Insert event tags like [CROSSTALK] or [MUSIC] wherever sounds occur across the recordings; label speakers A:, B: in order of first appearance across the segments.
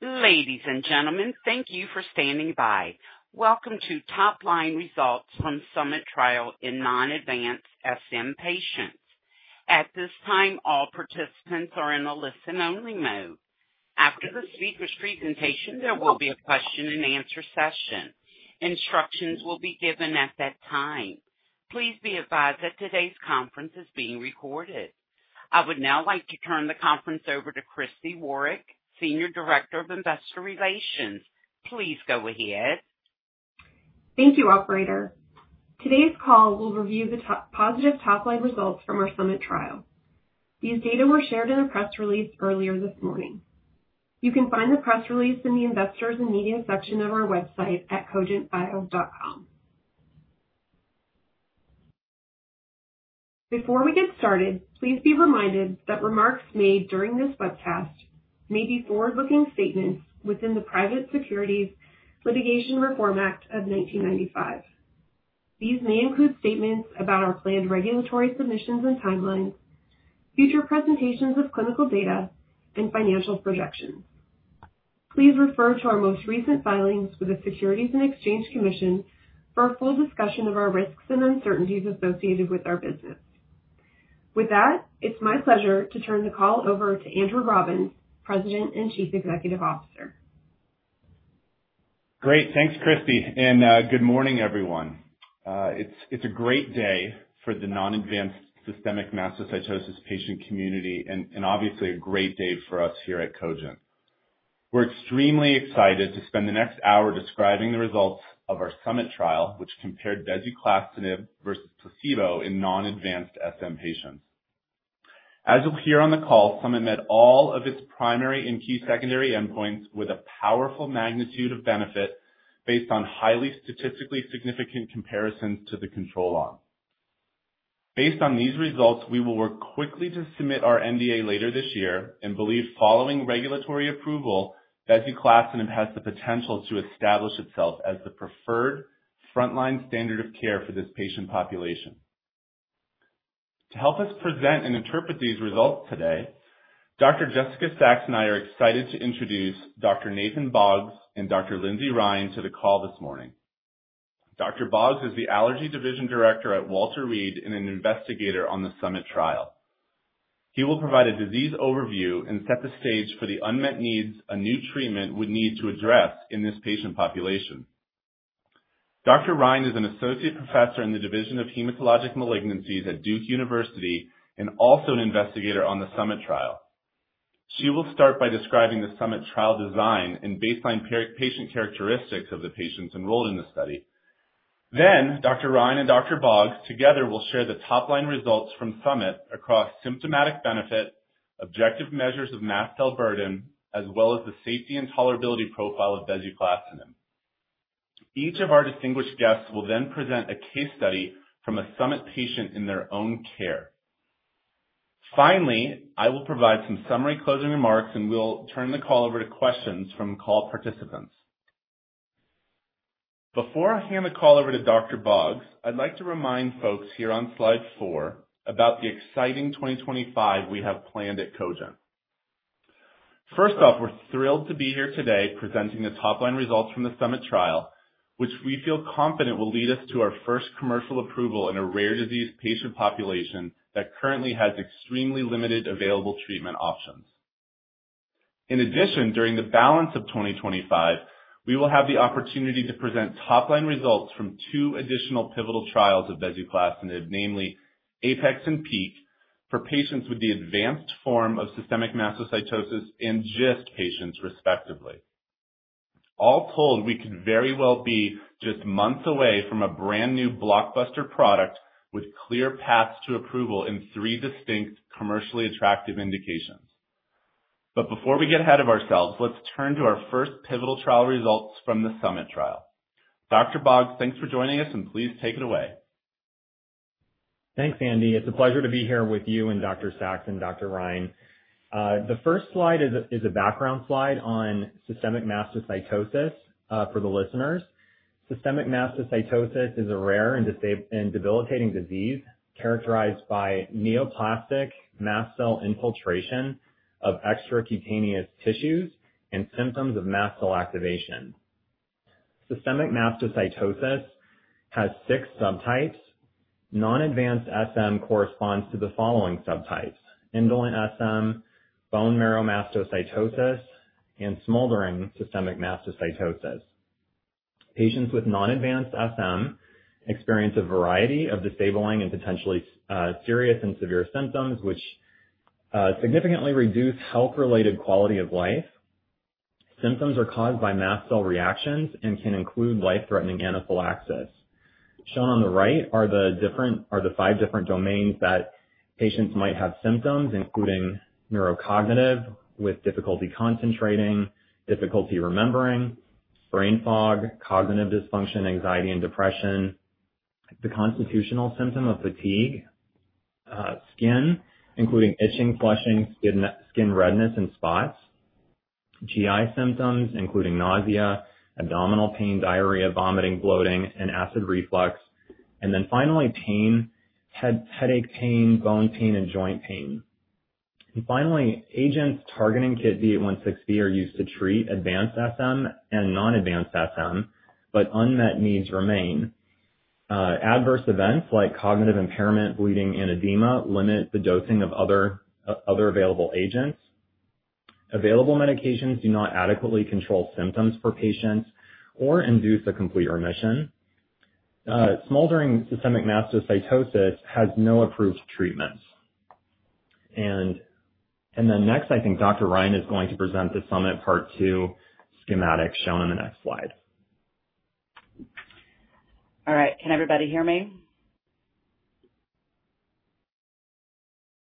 A: Ladies and gentlemen, thank you for standing by. Welcome to top line results from SUMMIT trial in non-advanced SM patients. At this time, all participants are in a listen-only mode. After the speaker's presentation, there will be a question and answer session. Instructions will be given at that time. Please be advised that today's conference is being recorded. I would now like to turn the conference over to Christi Waarich, Senior Director of Investor Relations. Please go ahead.
B: Thank you, operator. Today's call will review the positive top line results from our SUMMIT trial. These data were shared in a press release earlier this morning. You can find the press release in the Investors and Media section of our website at cogentbio.com. Before we get started, please be reminded that remarks made during this webcast may be forward-looking statements within the Private Securities Litigation Reform Act of 1995. These may include statements about our planned regulatory submissions and timelines, future presentations of clinical data, and financial projections. Please refer to our most recent filings with the Securities and Exchange Commission for a full discussion of our risks and uncertainties associated with our business. With that, it's my pleasure to turn the call over to Andrew Robbins, President and Chief Executive Officer.
C: Great. Thanks, Christi. Good morning everyone. It's a great day for the non-advanced systemic mastocytosis patient community and obviously a great day for us here at Cogent. We're extremely excited to spend the next hour describing the results of our SUMMIT trial which compared bezuclastinib versus placebo in non-advanced SM patients. As you'll hear on the call, SUMMIT met all of its primary and key secondary endpoints with a powerful magnitude of benefit based on highly statistically significant comparisons to the control arm. Based on these results, we will work quickly to submit our NDA later this year and believe, following regulatory approval, bezuclastinib has the potential to establish itself as the preferred frontline standard of care for this patient population. To help us present and interpret these results today, Dr. Jessica Sachs and I are excited to introduce Dr. Nathan Boggs and Dr. Lindsey Ryan to the call this morning. Dr. Boggs is the Allergy Division Director at Walter Reed and an investigator on the SUMMIT trial. He will provide a disease overview and set the stage for the unmet needs a new treatment would need to address in this patient population. Dr. Ryan is an Associate Professor in the Division of Hematologic Malignancies at Duke University and also an investigator on the SUMMIT trial. She will start by describing the SUMMIT trial design and baseline patient characteristics of the patients enrolled in the study. Dr. Ryan and Dr. Boggs together will share the top line results from SUMMIT across symptomatic benefit, objective measures of mast cell burden, as well as the safety and tolerability profile of bezuclastinib. Each of our distinguished guests will then present a case study from a SUMMIT patient in their own care. Finally, I will provide some summary closing remarks and we'll turn the call over to questions from call participants. Before I hand the call over to Dr. Boggs, I'd like to remind folks here on slide 4 about the exciting 2025 we have planned at Cogent. First off, we're thrilled to be here today presenting the top line results from the SUMMIT trial which we feel confident will lead us to our first commercial approval in a rare disease patient population that currently has extremely limited available treatment options. In addition, during the balance of 2025 we will have the opportunity to present top line results from two additional pivotal trials of bezuclastinib, namely APEX and PEAK for patients with the advanced form of systemic mastocytosis and GIST patients, respectively. All told, we could very well be just months away from a brand new blockbuster product with clear paths to approval in three distinct commercially attractive indications. Before we get ahead of ourselves, let's turn to our first pivotal trial results from the SUMMIT trial. Dr. Boggs, thanks for joining us and please take it away.
D: Thanks Andy. It's a pleasure to be here with you and Dr. Sachs and Dr. Ryan. The first slide is a background slide on systemic mastocytosis for the listeners. Systemic mastocytosis is a rare and debilitating disease characterized by neoplastic mast cell infiltration of extracutaneous tissues and symptoms of mast cell activation. Systemic mastocytosis has six subtypes. Non-advanced SM corresponds to the following subtypes: indolent SM, bone marrow mastocytosis, and smoldering systemic mastocytosis. Patients with non-advanced SM experience a variety of disabling and potentially serious and severe symptoms which significantly reduce health-related quality of life. Symptoms are caused by mast cell reactions and can include life-threatening anaphylaxis. Shown on the right are the five different domains that patients might have symptoms including neurocognitive with difficulty concentrating, difficulty remembering, brain fog, cognitive dysfunction, anxiety, and depression. The constitutional symptom of fatigue, skin, including itching, flushing, skin redness and spots. GI symptoms including nausea, abdominal pain, diarrhea, vomiting, bloating, and acid reflux. And then finally pain, headache, bone pain, and joint pain. Finally, agents targeting KIT D816V are used to treat advanced SM and non-advanced SM, but unmet needs remain. Adverse events like cognitive impairment, bleeding, and edema limit the dosing of other available agents. Available medications do not adequately control symptoms for patients or induce a complete remission. Smoldering systemic mastocytosis has no approved treatments. Next, I think Dr. Ryan is going to present the SUMMIT part two schematic shown on the next slide.
E: All right, can everybody hear me?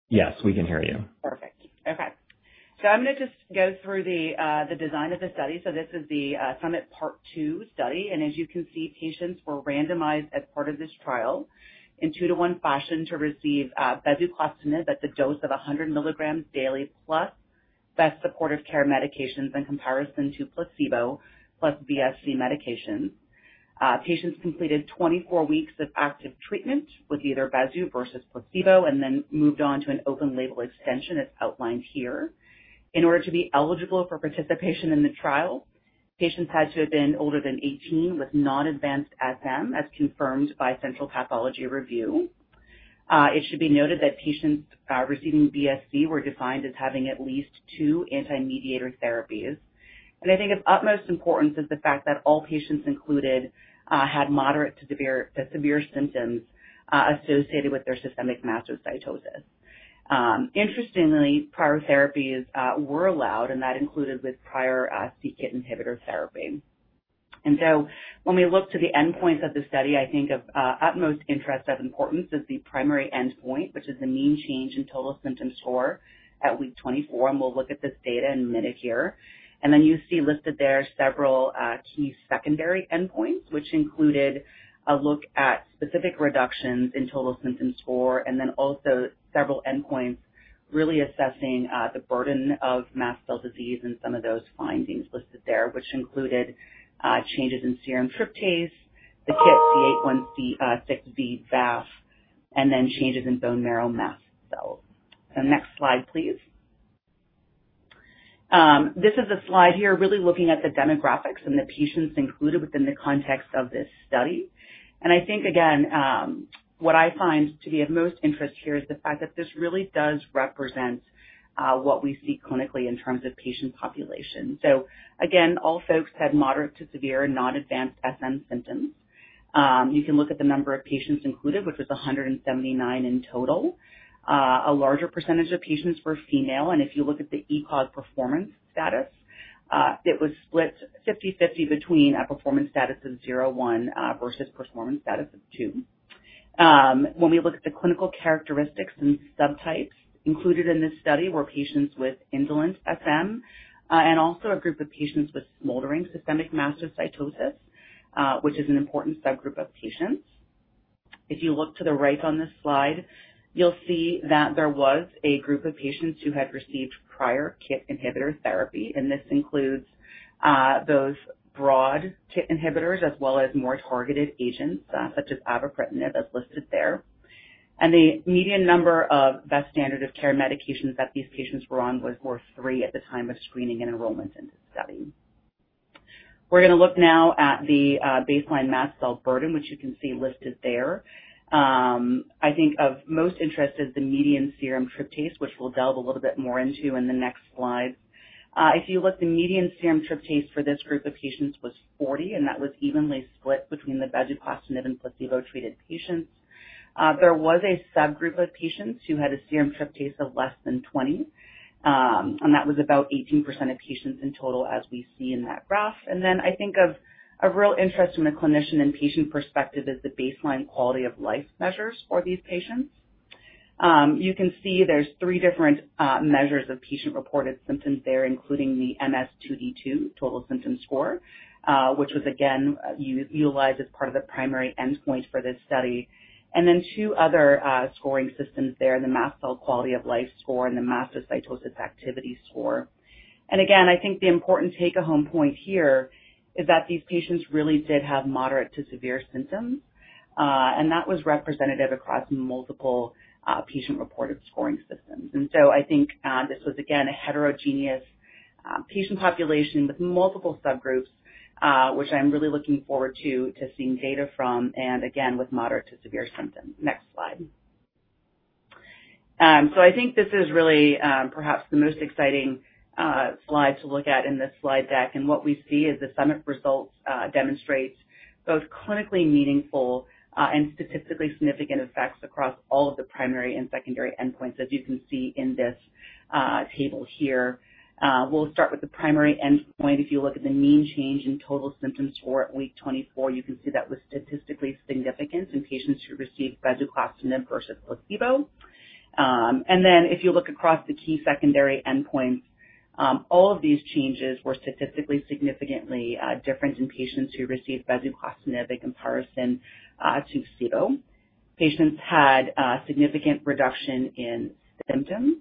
C: Yes, we can hear you.
E: Perfect. Okay, I'm going to just go through the design of the study. This is the SUMMIT Part 2 study. As you can see, patients were randomized as part of this trial in a 2:1 fashion to receive bezuclastinib at the dose of 100 mg daily plus best supportive care medications in comparison to placebo plus BSC medications. Patients completed 24 weeks of active treatment with either bezuclastinib versus placebo and then moved on to an open-label extension as outlined here. In order to be eligible for participation in the trial, patients had to have been older than 18 with non-advanced SM as confirmed by central pathology review. It should be noted that patients receiving BSC were defined as having at least two antimediator therapies. I think of utmost importance is the fact that all patients included had moderate to severe symptoms associated with their systemic mastocytosis. Interestingly, prior therapies were allowed and that included prior KIT inhibitor therapy. When we look to the endpoints of the study, I think of utmost interest, of importance is the primary endpoint, which is the mean change in total symptom score at week 24. We'll look at this data in a minute here. You see listed there several key secondary endpoints, which included a look at specific reductions in total symptom score and also several endpoints really assessing the burden of mast cell disease and some of those findings listed there included changes in serum tryptase, the KIT D816V VAF, and then changes in bone marrow mast cells. Next slide please. This is a slide here really looking at the demographics and the patients included within the context of this study. And I think again, what I find to be of most interest here is the fact that this really does represent what we see clinically in terms of patient population. All folks had moderate to severe non-advanced SM symptoms. You can look at the number of patients included, which was 179 in total. A larger percentage of patients were female. If you look at the ECOG performance status, it was split 50/50 between a performance status of zero, one versus performance status of two. When we look at the clinical characteristics and subtypes included in this study, there were patients with indolent SM and also a group of patients with smoldering systemic mastocytosis, which is an important subgroup of patients. If you look to the right on this slide, you'll see that there was a group of patients who had received prior KIT inhibitor therapy, and this includes those broad KIT inhibitors as well as more targeted agents such as avapritinib as listed there. The median number of best standard of care medications that these patients were on was at the time of screening and enrollment into study. We're going to look now at the baseline mast cell burden, which you can see listed there. I think of most interest is the median serum tryptase, which we'll delve a little bit more into in the next slide. If you look, the median serum tryptase for this group of patients was 40, and that was evenly split between the bezuclastinib and placebo treated patients. There was a subgroup of patients who had a serum tryptase of less than 20, and that was about 18% of patients in, as we see in that graph. I think of real interest from the clinician and patient perspective is the baseline quality of life measures for these patients. You can see there's three different measures of patient reported symptoms there, including the MS.2D2 Total Symptom Score, which was again utilized as part of the primary endpoint for this study, and then two other scoring systems there, the mast cell quality of life score and the mastocytosis activity score. I think the important take home point here is that these patients really did have moderate to severe symptoms and that was representative across multiple patient reported scoring systems. I think this was again a heterogeneous patient population with multiple subgroups, which I'm really looking forward to seeing data from, and again with moderate to severe symptoms. Next slide. I think this is really perhaps the most exciting slide to look at in this slide deck. What we see is the SUMMIT results demonstrate both clinically meaningful and statistically significant effects across all of the primary and secondary endpoints as you can see in this table here. We'll start with the primary endpoint. If you look at the mean change in total symptoms for week 24, you can see that was statistically significant in patients who received bezuclastinib versus placebo. Then if you look across the key secondary endpoints, all of these changes were statistically significantly different in patients who received bezuclastinib in comparison to placebo, patients had significant reduction in symptoms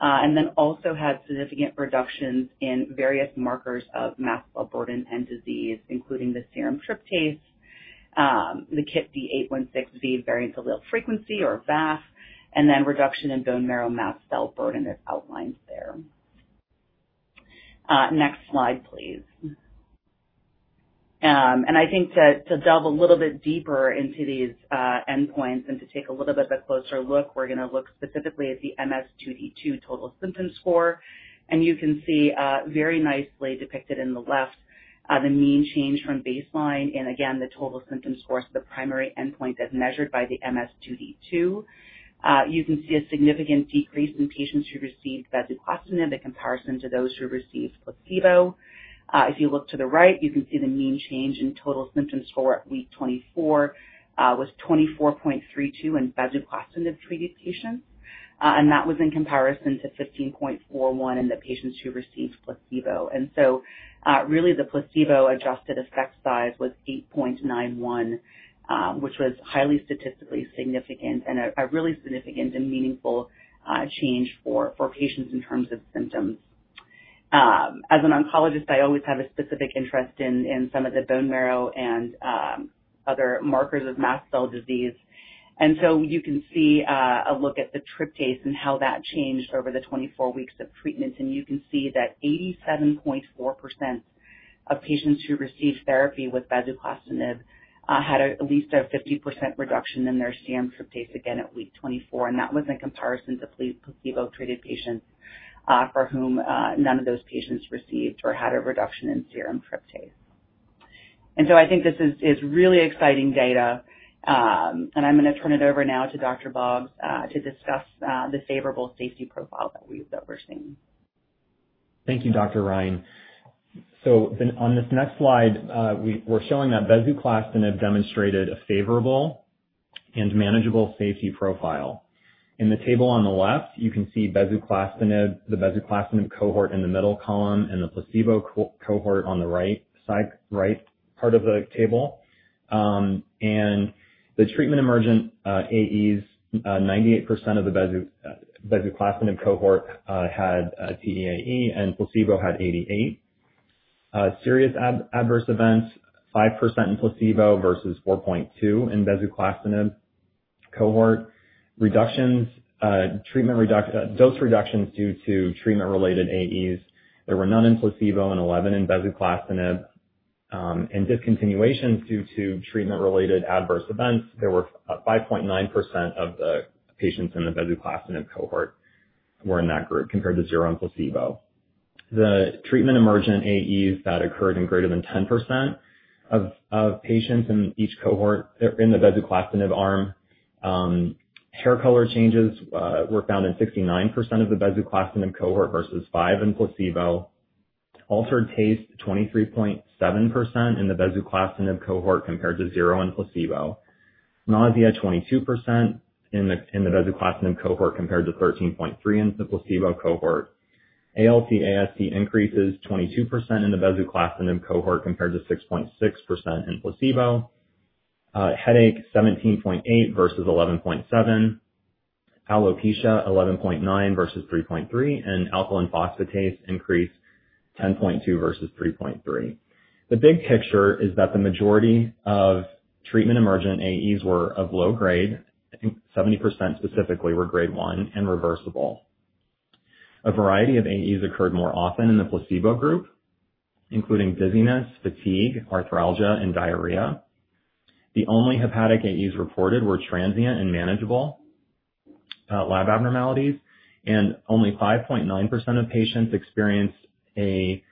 E: and then also had significant reductions in various markers of mast cell burden and disease, including the serum tryptase, the KIT D816V Variant Allele Frequency or VAF, and then reduction in bone marrow mast cell burden as outlined there. Next slide, please. I think to delve a little bit deeper into these endpoints and to take a little bit of a closer look, we're going to look specifically at the MS.2D2 Total Symptom Score. You can see very nicely depicted in the left the mean change from baseline and again, the total symptom scores, the primary endpoint as measured by the MS.2D2. You can see a significant decrease in patients who received bezuclastinib in comparison to those who received placebo. If you look to the right, you can see the mean change in total symptom score at week 24 was 24.32 in bezuclastinib treated patients. That was in comparison to 15.41 in the patients who received placebo. The placebo-adjusted effect size was 8.91, which was highly statistically significant and a really significant and meaningful change for patients in terms of symptoms. As an oncologist, I always have a specific interest in some of the bone marrow and other markers of mast cell disease. You can see a look at the tryptase and how that changed over the 24 weeks of treatment. You can see that 87.4% of patients who received therapy with bezuclastinib had at least a 50% reduction in their serum tryptase, again at week 24. That was in comparison to placebo-treated patients, for whom none of those patients had a reduction in serum tryptase. I think this is really exciting data and I'm going to turn it over now to Dr. Boggs to discuss the favorable safety profile that we're seeing.
D: Thank you, Dr. Ryan. On this next slide, we're showing that bezuclastinib demonstrated a favorable and manageable safety profile. In the table on the left, you can see the bezuclastinib cohort in the middle column and the placebo cohort on the right part of the table. For the treatment emergent AEs, 98% of the bezuclastinib cohort had TEA and placebo had 88%. Serious adverse events were 5% in placebo versus 4.2% in the bezuclastinib cohort. For treatment, dose reductions due to treatment related AEs, there were none in placebo and 11% in bezuclastinib. Discontinuations due to treatment related adverse events were 5.9% of the patients in the bezuclastinib cohort compared to zero in placebo. The treatment emergent AEs that occurred in greater than 10% of patients in each cohort: in the bezuclastinib arm, hair color changes were found in 69% of the bezuclastinib cohort versus 5% in placebo, altered taste 23.7% in the bezuclastinib cohort compared to 0% in placebo, nausea 22% in the bezuclastinib cohort compared to 13.3% in the placebo cohort, ALT/AST increases 22% in the bezuclastinib cohort compared to 6.6% in placebo. Headache 17.8% versus 11.7%, alopecia 11.9% versus 3.3%, and alkaline phosphatase increase 10.2% versus 3.3%. The big picture is that the majority of treatment emergent AEs were of low grade; 70% specifically were grade 1 and reversible. A variety of AEs occurred more often in the placebo group including dizziness, fatigue, arthralgia, and diarrhea. The only hepatic AEs reported were transient and manageable lab abnormalities, and only 5.9% of patients experienced a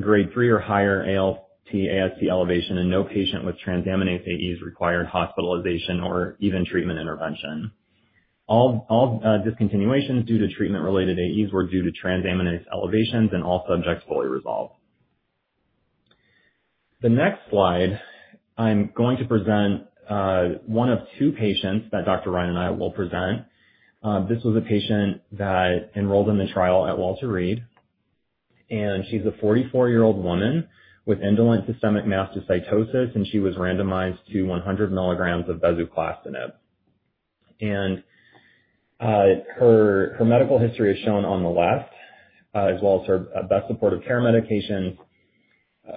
D: grade three or higher ALT/AST elevation. No patient with transaminase AEs required hospitalization or even treatment intervention. All discontinuations due to treatment related AEs were due to transaminase elevations and all subjects fully resolved. The next slide, I'm going to present one of two patients that Dr. Ryan and I will present. This was a patient that enrolled in the trial at Walter Reed and she's a 44-year-old woman with indolent systemic mastocytosis and she was randomized to 100 mg of bezuclastinib. Her medical history is shown on the left as well as her best supportive care medications.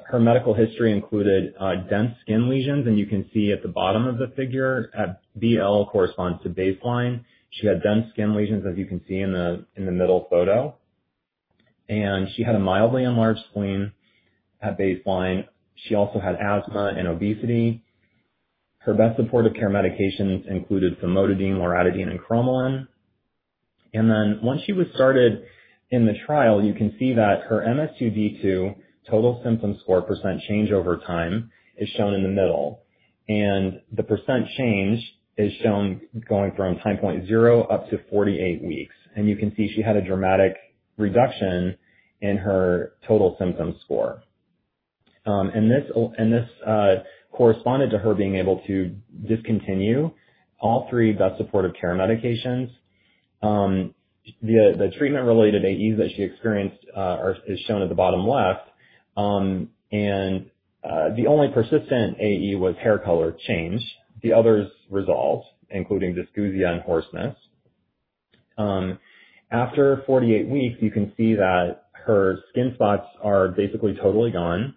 D: Her medical history included dense skin lesions and you can see at the bottom of the figure BL corresponds to baseline. She had dense skin lesions as you can see in the middle photo and she had a mildly enlarged spleen at baseline. She also had asthma and obesity. Her best supportive care medications included famotidine, loratadine, and cromolyn, and then once she was started in the trial, you can see that her MS.2D2 total symptom score percent change over time is shown in the middle. The percent change is shown going from time point zero up to 48 weeks. You can see she had a dramatic reduction in her total symptom score. This corresponded to her being able to discontinue all three best supportive care medications. The treatment-related AEs that she experienced is shown at the bottom left, and the only persistent AE was hair color change. The others resolved, including dysgeusia and hoarseness. After 48 weeks, you can see that her skin spots are basically totally gone.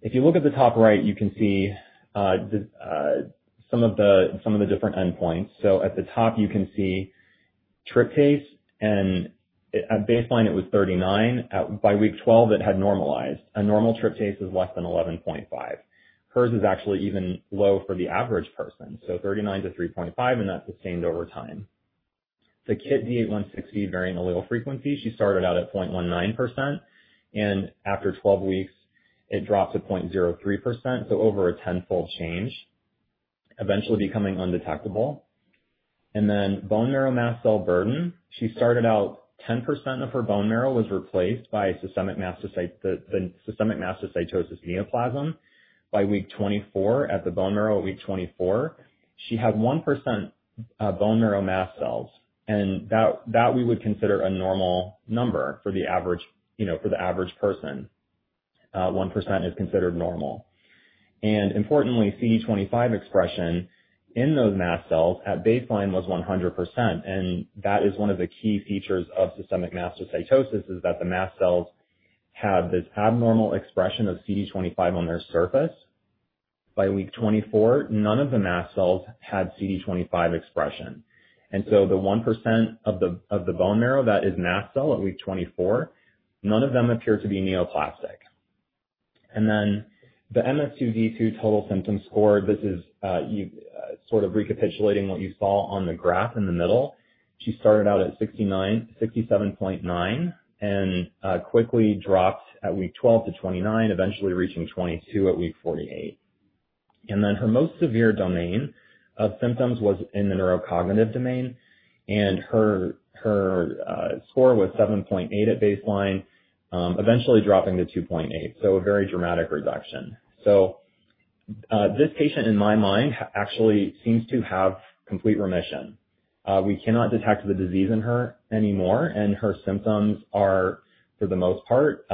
D: If you look at the top right, you can see some of the different endpoints. At the top, you can see tryptase, and at baseline it was 39. By week 12, it had normalized. A normal tryptase is less than 11.5. Hers is actually even low for the average person, so 39 to 3.5, and that's sustained over time. The KIT D816V variant allele frequency, she started out at 0.19% and after 12 weeks it dropped to 0.03%, so over a tenfold change, eventually becoming undetectable. Then bone marrow mast cell burden, she started out 10% of her bone marrow was replaced by the systemic mastocytosis neoplasm. By week 24, at the bone marrow, at week 24, she had 1% bone marrow mast cells, and that we would consider a normal number for the average, for the average person, 1% is considered normal. Importantly, CD25 expression in those mast cells at baseline was 100%, and that is one of the key features of systemic mastocytosis, that the mast cells have this abnormal expression of CD25 on their surface. By week 24, none of the mast cells had CD25 expression, and the 1% of the bone marrow that is mast cell at week 24, none of them appear to be neoplastic. The MS.2D2 total symptom score, this is sort of recapitulating what you saw on the graph in the middle. She started out at 67.9 and quickly dropped at week 12 to 29, eventually reaching 22 at week 48. Her most severe domain of symptoms was in the neurocognitive domain, and her score was 7.8 at baseline, eventually dropping to 2.8, so a very dramatic reduction. This patient, in my mind, actually seems to have complete remission. We cannot detect the disease in her anymore and her symptoms are for the most part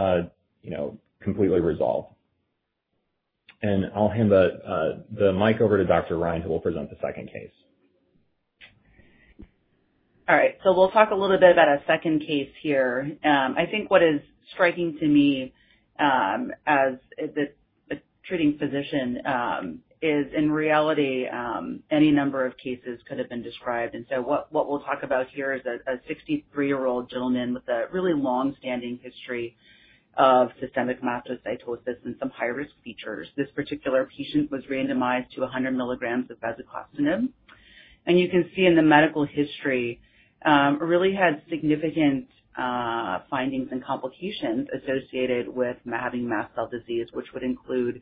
D: completely resolved. I'll hand the mic over to Dr. Ryan, who will present the second case.
E: All right, we'll talk a little bit about a second case here. I think what is striking to me as a treating physician is in reality any number of cases could have been described. What we'll talk about here is a 63-year-old gentleman with a really long-standing history of systemic mastocytosis and some high-risk features. This particular patient was randomized to 100 mg of bezuclastinib and you can see in the medical history really had significant findings and complications associated with having mast cell disease, which would include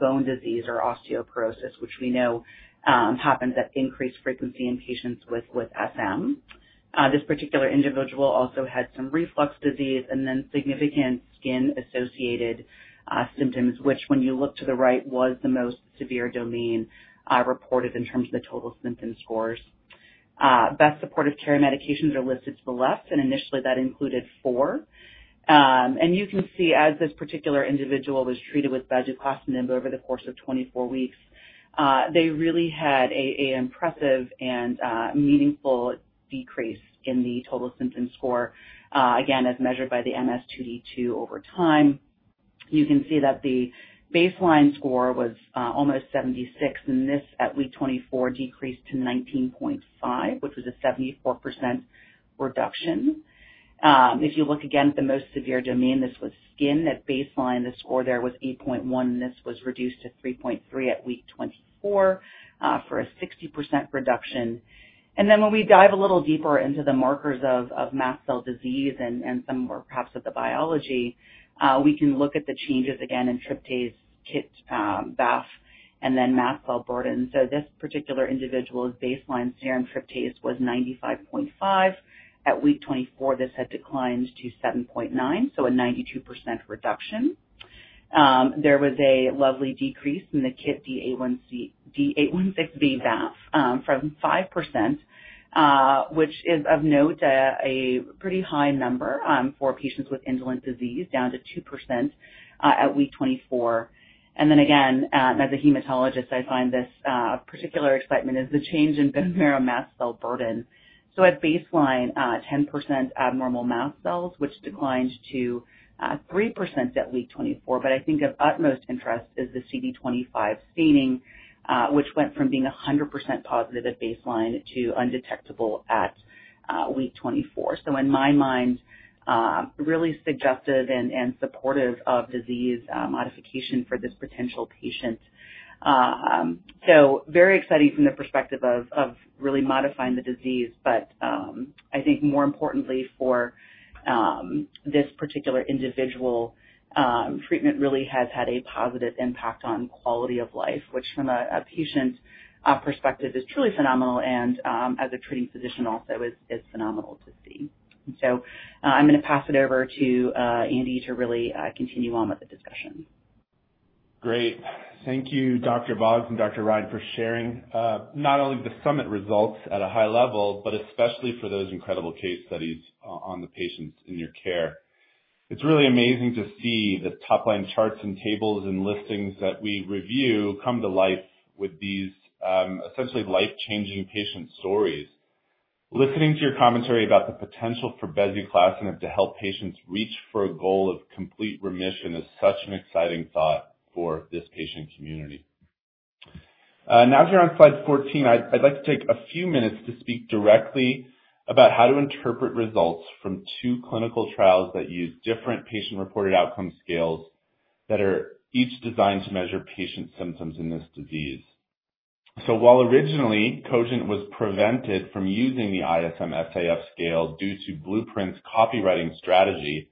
E: bone disease or osteoporosis, which we know happens at increased frequency in patients with SM. This particular individual also had some reflux disease and then significant skin-associated symptoms, which, when you look to the right, was the most severe domain reported in terms of the total symptom scores. Best supportive care medications are listed to the left, initially that included four. You can see as this particular individual was treated with bezuclastinib over the course of 24 weeks, they really had an impressive and meaningful decrease in the total symptom score, again as measured by the MS.2D2 over time. You can see that the baseline score was almost 76, and this at week 24, decreased to 19.5, which was a 74% reduction. If you look again at the most severe domain, this was skin at baseline, the score there was 8.1 and this was reduced to 3.3 at week 24 for a 60% reduction. When we dive a little deeper into the markers of mast cell disease and some more perhaps at the biology, we can look at the changes again in tryptase, KIT VAF, and then mast cell burden. This particular individual's baseline serum tryptase was 95.5. At week 24, this had declined to 7.9, so a 92% reduction. There was a lovely decrease in the KIT D816V VAF from 5%, which is of note, a pretty high number for patients with indolent disease, down to 2% at week 24. As a hematologist, I find this particular excitement is the change in bone marrow mast cell burden. At baseline, 10% abnormal mast cells, which declined to 3% at week 24. I think of utmost interest is the CD25 staining, which went from being 100% positive at baseline to undetectable at week 24. In my mind, really suggestive and supportive of disease modification for this potential patient. Very exciting from the perspective of really modifying the disease. I think more importantly for this particular individual, treatment really has had a positive impact on quality of life, which from a patient perspective is truly phenomenal and as a treating physician also is phenomenal to see. I'm going to pass it over to Andy to really continue on with the discussion.
C: Great. Thank you Dr. Boggs and Dr. Ryan for sharing not only the SUMMIT results at a high level, but especially for those incredible case studies on the patients in your care. It's really amazing to see the top line charts and tables and listings that we review come to life with these essentially life changing patient stories. Listening to your commentary about the potential for bezuclastinib to help patients reach for a goal of complete remission is such an exciting thought for this patient community. Now here on slide 14, I'd like to take a few minutes to speak directly about how to interpret results from two clinical trials that use different patient reported outcome scales that are each designed to measure patient symptoms in this disease. While originally Cogent was prevented from using the ISM SAF scale due to Blueprint's copywriting strategy,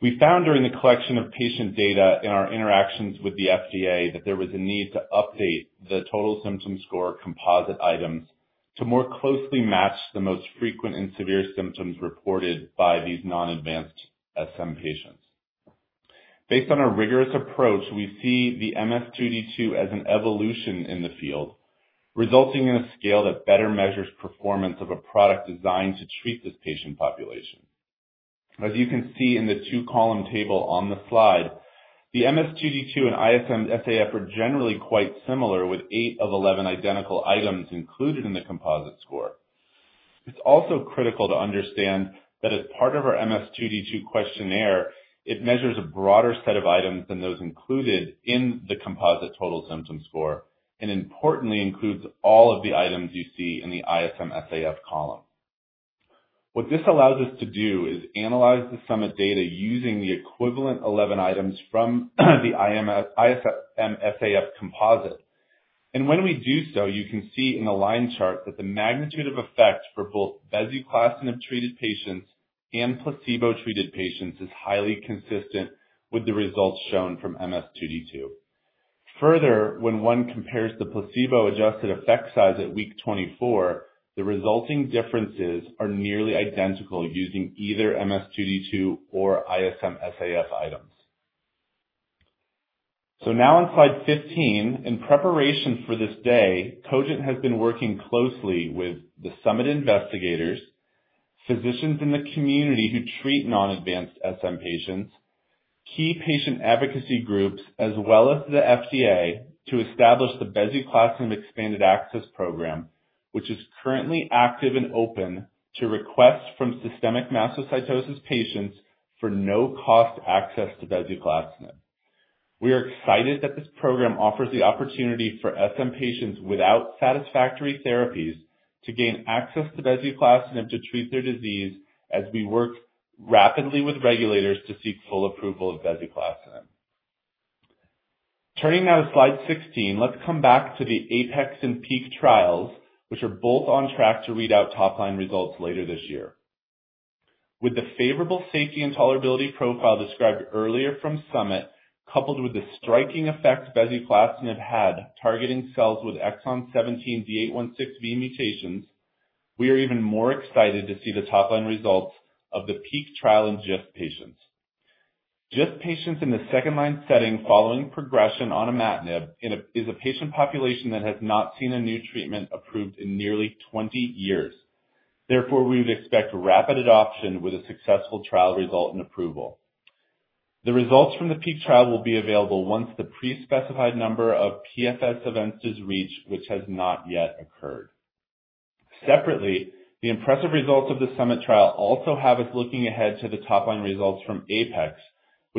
C: we found during the collection of patient data in our interactions with the FDA that there was a need to update the total symptom score composite items to more closely match the most frequent and severe symptoms reported by these non-advanced SM patients. Based on a rigorous approach, we see the MS.2D2 as an evolution in the field, resulting in a scale that better measures performance of a product designed to treat this patient population. As you can see in the two column table on the slide, the MS.2D2 and ISM SAF are generally quite similar with 8 of 11 identical items included in the composite score. It's also critical to understand that as part of our MS.2D2 questionnaire, it measures a broader set of items than those included in the composite total symptom score and importantly includes all of the items you see in the ISM SAF column. What this allows us to do is analyze the SUMMIT data using the equivalent 11 items from the ISM SAF composite and when we do so, you can see in the line chart that the magnitude of effect for both bezuclastinib treated patients and placebo treated patients is highly consistent with the results shown from MS.2D2. Further, when one compares the placebo-adjusted effect size at week 24, the resulting differences are nearly identical using either MS.2D2 or ISM SAF items. Now on slide 15, in preparation for this day, Cogent has been working closely with the SUMMIT investigators, physicians in the community who treat non-advanced SM patients, key patient advocacy groups, as well as the FDA, to establish the bezuclastinib Expanded Access Program, which is currently active and open to requests from systemic mastocytosis patients for no-cost access to bezuclastinib. We are excited that this program offers the opportunity for SM patients without satisfactory therapies to gain access to bezuclastinib to treat their disease as we work rapidly with regulators to seek full approval of bezuclastinib. Turning now to slide 16, let's come back to the APEX and PEAK trials, which are both on track to read out top-line results later this year. With the favorable safety and tolerability profile described earlier from SUMMIT, coupled with the striking effect bezuclastinib had targeting cells with Exon 17 D816V mutations, we are even more excited to see the top-line results of the PEAK trial in GIST patients. GIST patients in the second-line setting following progression on imatinib represent a patient population that has not seen a new treatment approved in nearly 20 years. Therefore, we would expect rapid adoption with a successful trial result and approval. The results from the PEAK trial will be available once the pre-specified number of PFS events is reached, which has not yet occurred. Separately, the impressive results of the SUMMIT trial also have us looking ahead to the top-line results from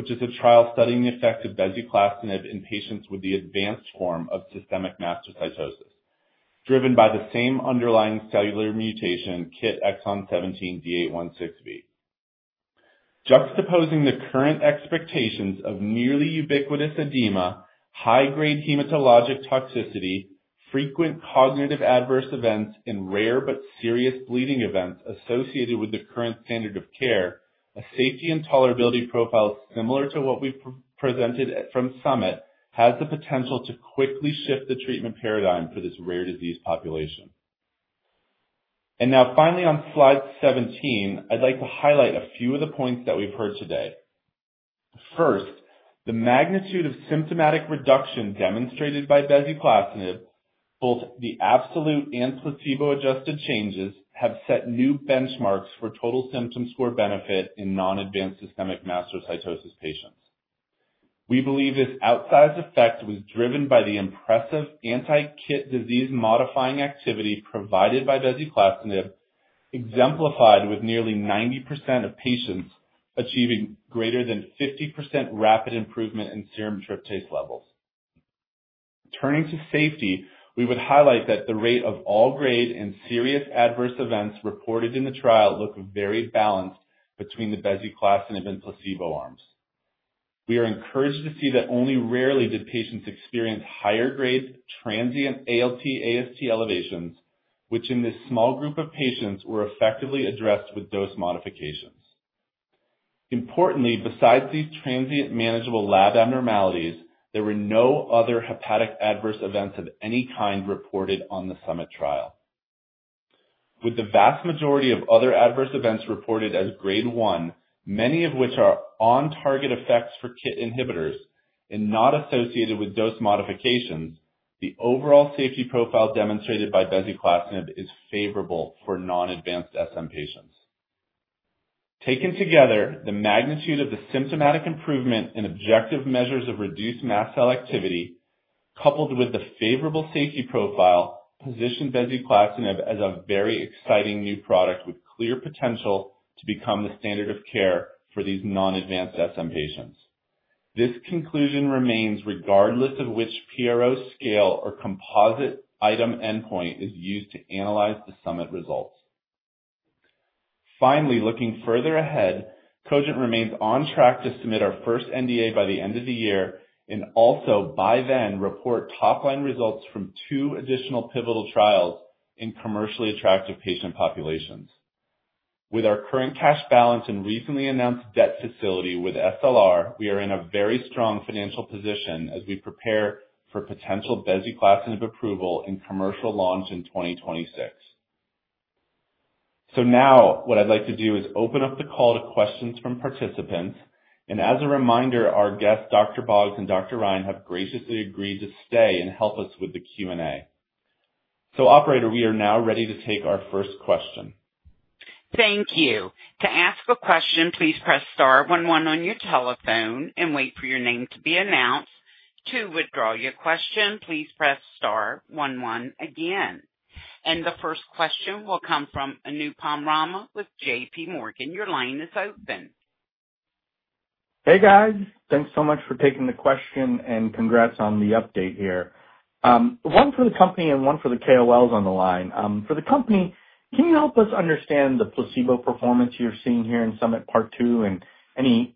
C: APEX, which is a trial studying the effect of bezuclastinib in patients with the advanced form of systemic mastocytosis driven by the same underlying cellular mutation, KIT Exon 17 D816V. Juxtaposing the current expectations of nearly ubiquitous edema, high-grade hematologic toxicity, frequent cognitive adverse events, and rare but serious bleeding events associated with the current standard of care, a safety and tolerability profile similar to what we presented from SUMMIT has the potential to quickly shift the treatment paradigm for this rare disease population. Finally, on slide 17, I'd like to highlight a few of the points that we've heard today. First, the magnitude of symptomatic reduction demonstrated by bezuclastinib, both the absolute and placebo-adjusted changes have set new benchmarks for total symptom score benefit in non-advanced systemic mastocytosis patients. We believe this outsized effect was driven by the impressive anti-KIT disease-modifying activity provided by bezuclastinib, exemplified with nearly 90% of patients achieving greater than 50% rapid improvement in serum tryptase levels. Turning to safety, we would highlight that the rate of all grade and serious adverse events reported in the trial look very balanced between the bezuclastinib and even placebo arms. We are encouraged to see that only rarely did patients experience higher grade transient ALT/AST elevations, which in this small group of patients were effectively addressed with dose modifications. Importantly, besides these transient manageable lab abnormalities, there were no other hepatic adverse events of any kind reported on the SUMMIT trial, with the vast majority of other adverse events reported as grade one, many of which are on-target effects for KIT inhibitors and not associated with dose modifications, the overall safety profile demonstrated by bezuclastinib is favorable for non-advanced SM patients. Taken together, the magnitude of the symptomatic improvement in objective measures of reduced mast cell activity coupled with the favorable safety profile position bezuclastinib as a very exciting new product with clear potential to become the standard of care for these non-advanced SM patients. This conclusion remains regardless of which PRO scale or composite item endpoint is used to analyze the SUMMIT results. Finally, looking further ahead, Cogent remains on track to submit our first NDA by the end of the year and also by then report top-line results from two additional pivotal trials in commercially attractive patient populations. With our current cash balance and recently announced debt facility with SLR, we are in a very strong financial position as we prepare for potential bezuclastinib approval and commercial launch in 2026. What I'd like to do now is open up the call to questions from participants, and as a reminder, our guests Dr. Boggs and Dr. Ryan have graciously agreed to stay and help us with the Q&A. Operator, we are now ready to take our first question.
A: Thank you. To ask a question, please press star one, one on your telephone and wait for your name to be announced. To withdraw your question, please press star one, one again. The first question will come from Anupam Rama with JP Morgan. Your line is open.
F: Hey guys, thanks so much for taking the question and congrats on the update here. One for the company and one for the KOLs on the line. For the company, can you help us understand the placebo performance you're seeing here in SUMMIT part two and any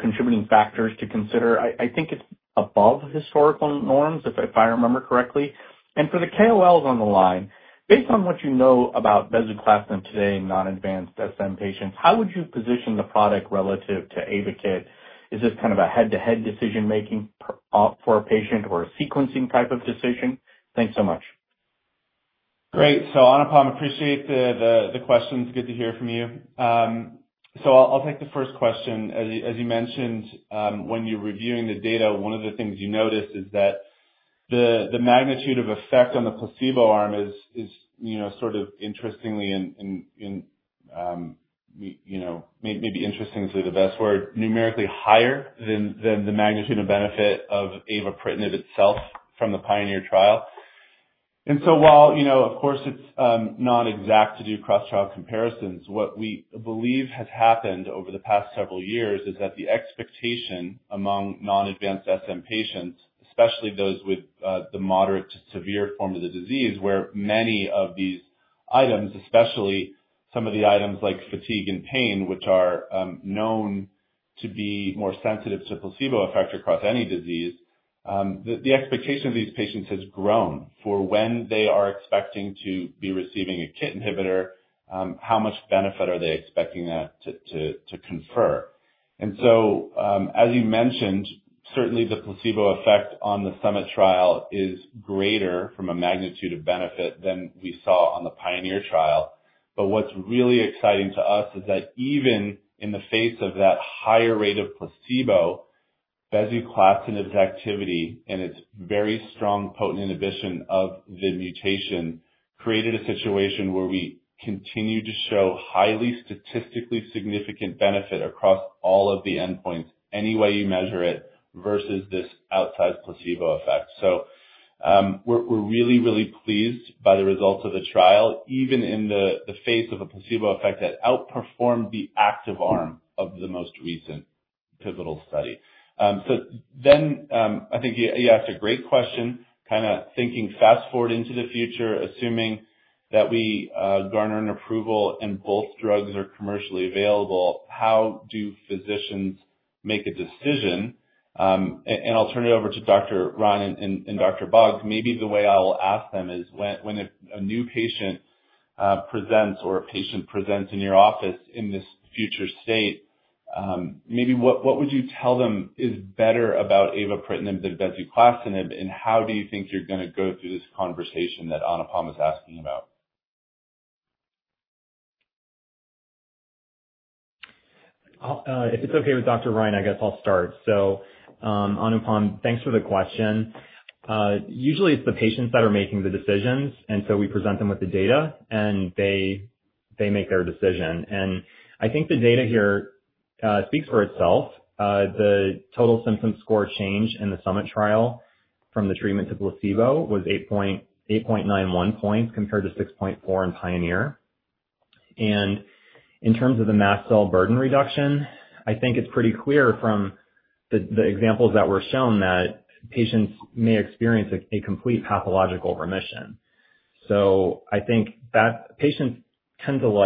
F: contributing factors to consider? I think it's above historical norms if I remember correctly. For the KOLs on the line, based on what you know about bezuclastinib. Today in non-advanced SM patients, how. Would you position the product relative to avapritinib? Is this kind of a head-to-head decision making for a patient or a sequencing type of decision. Thanks so much.
C: Great. Anupam, appreciate the questions. Good to hear from you. I'll take the first question. As you mentioned, when you're reviewing the data, one of the things you notice is that the magnitude of effect on the placebo arm is, interestingly, maybe interesting is the best word, numerically higher than the magnitude of benefit of avapritinib itself from the PIONEER trial. While it's not exact to do cross trial comparisons, what we believe has happened over the past several years is that the expectation among non-advanced SM patients, especially those with the moderate to severe form of the disease, where many of these items, especially some of the items like fatigue and pain, which are known to be more sensitive to placebo effect across any disease, the expectation of these patients has grown for when they are expecting to be receiving a KIT inhibitor, how much benefit are they expecting that to confer. As you mentioned, certainly the placebo effect on the SUMMIT trial is greater from a magnitude of benefit than we saw on the PIONEER trial. What's really exciting to us is that even in the face of that higher rate of placebo, bezuclastinib's activity and its very strong potent inhibition of the mutation created a situation where we continue to show highly statistically significant benefit across all of the endpoints, any way you measure it versus this outsized placebo effect. We're really, really pleased by the results of the trial, even in the face of a placebo effect that outperforms the active arm of the most recent pivotal study. I think you asked a great question. Kind of thinking fast forward into the future, assuming that we garner an approval and both drugs are commercially available, how do physicians make a decision? I'll turn it over to Dr. Ryan and Dr. Boggs. Maybe the way I will ask them is when it comes to new patient presents or a patient presents in your office in this future state, maybe what would you tell them is better about avapritinib than bezuclastinib? How do you think you're going to go through this conversation that Anupam is asking about?
D: If it's okay with Dr. Ryan, I guess I'll start. Anupam, thanks for the question. Usually it's the patients that are making the decisions, so we present them with the data and they make their decision. I think the data here speaks for itself. The total symptom score change in the SUMMIT trial from the treatment to placebo was 8.91 points compared to 6.4 in PIONEER. In terms of the mast cell burden reduction, I think it's pretty clear from the examples that were shown that patients may experience a complete pathological remission. I think that patients tend to,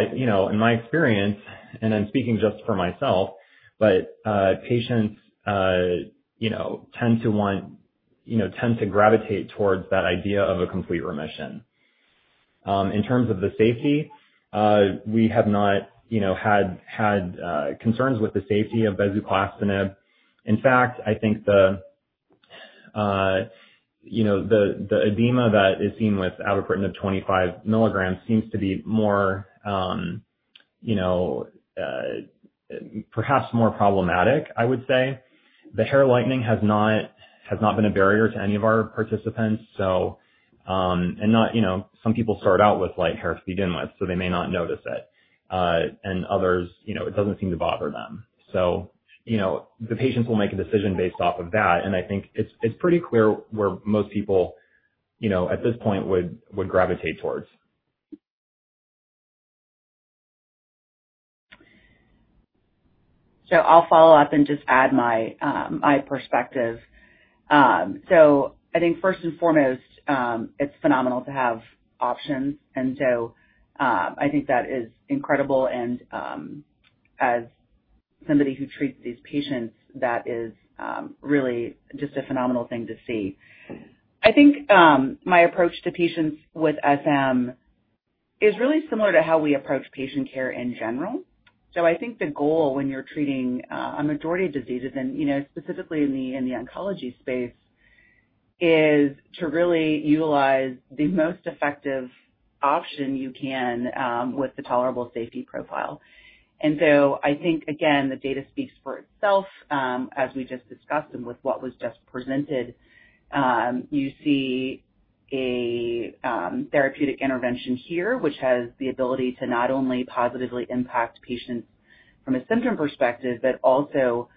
D: in my experience, and I'm speaking just for myself, but patients tend to want, tend to gravitate towards that idea of a complete remission. In terms of the safety, we have not had concerns with the safety of bezuclastinib. In fact, the edema that is seen with avapritinib 25 mg seems to be more, perhaps more problematic, I would say. The hair lightening has not been a barrier to any of our participants. Some people start out with light hair to begin with, so they may not notice it, and others, it doesn't seem to bother them. The patients will make a decision based off of that. I think it's pretty clear where most people at this point would gravitate towards.
E: I'll follow up and just add my perspective. I think first and foremost, it's phenomenal to have options. I think that is incredible and as somebody who treats these patients, that is really just a phenomenal thing to see. I think my approach to patients with SM is really similar to how we approach patient care in general. I think the goal when you're treating a majority of diseases and, you know, specifically in the oncology space, is to really utilize the most effective option you can with the tolerable safety profile. I think, again, the data speaks for itself, as we just discussed and with what was just presented, you see a therapeutic intervention here which has the ability to not only positively impact patients from a symptom perspective, but also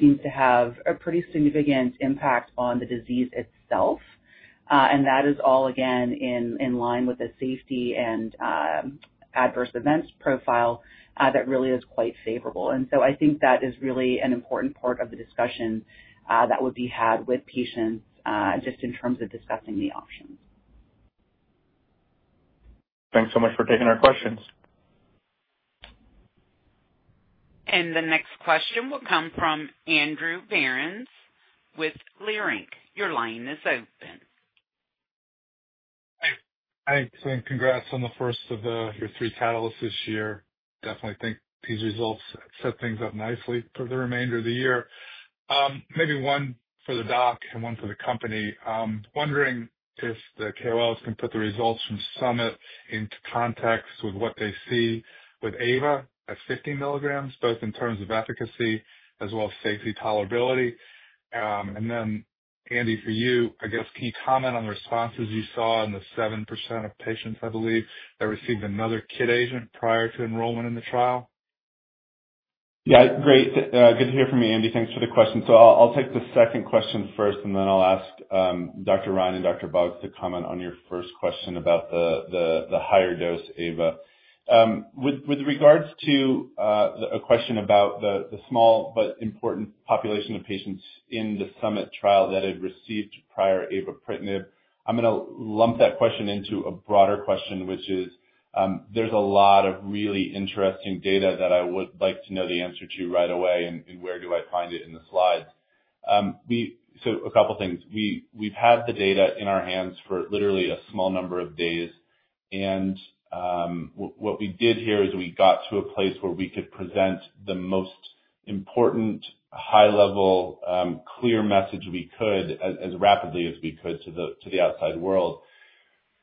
E: seems to have a pretty significant impact on the disease itself. That is all, again, in line with the safety and adverse events profile that really is quite favorable. I think that is really an important part of the discussion that would be had with patients just in terms of discussing the options.
F: Thanks so much for taking our questions.
A: The next question will come from Andrew Behrens with Leerink. Your line is open.
G: Thanks. Congrats on the first of your three catalysts this year. I definitely think these results set things up nicely for the remainder of the year. Maybe one for the doc and one for the company. Wondering if the KOLs can put the results from SUMMIT into context with what they see with avapritinib at 50 mg, both in terms of efficacy as well as safety and tolerability. Andy, for you, can you comment on the responses you saw in the 7% of patients, I believe, that received another KIT agent prior to enrollment in the trial?
C: Great. Good to hear from you, Andy. Thanks for the question. I'll take the second question first, then I'll ask Dr. Ryan and Dr. Boggs to comment on your first question about the higher dose ava. With regards to a question about the small but important population of patients in the SUMMIT trial that had received prior avapritinib, I'm going to lump that question into a broader question, which is there's a lot of really interesting data that I would like to know the answer to right away and where do I find it in the slides. A couple things. We've had the data in our hands for literally a small number of days. What we did here is we got to a place where we could present the most important high-level, clear message we could as rapidly as we could to the outside world.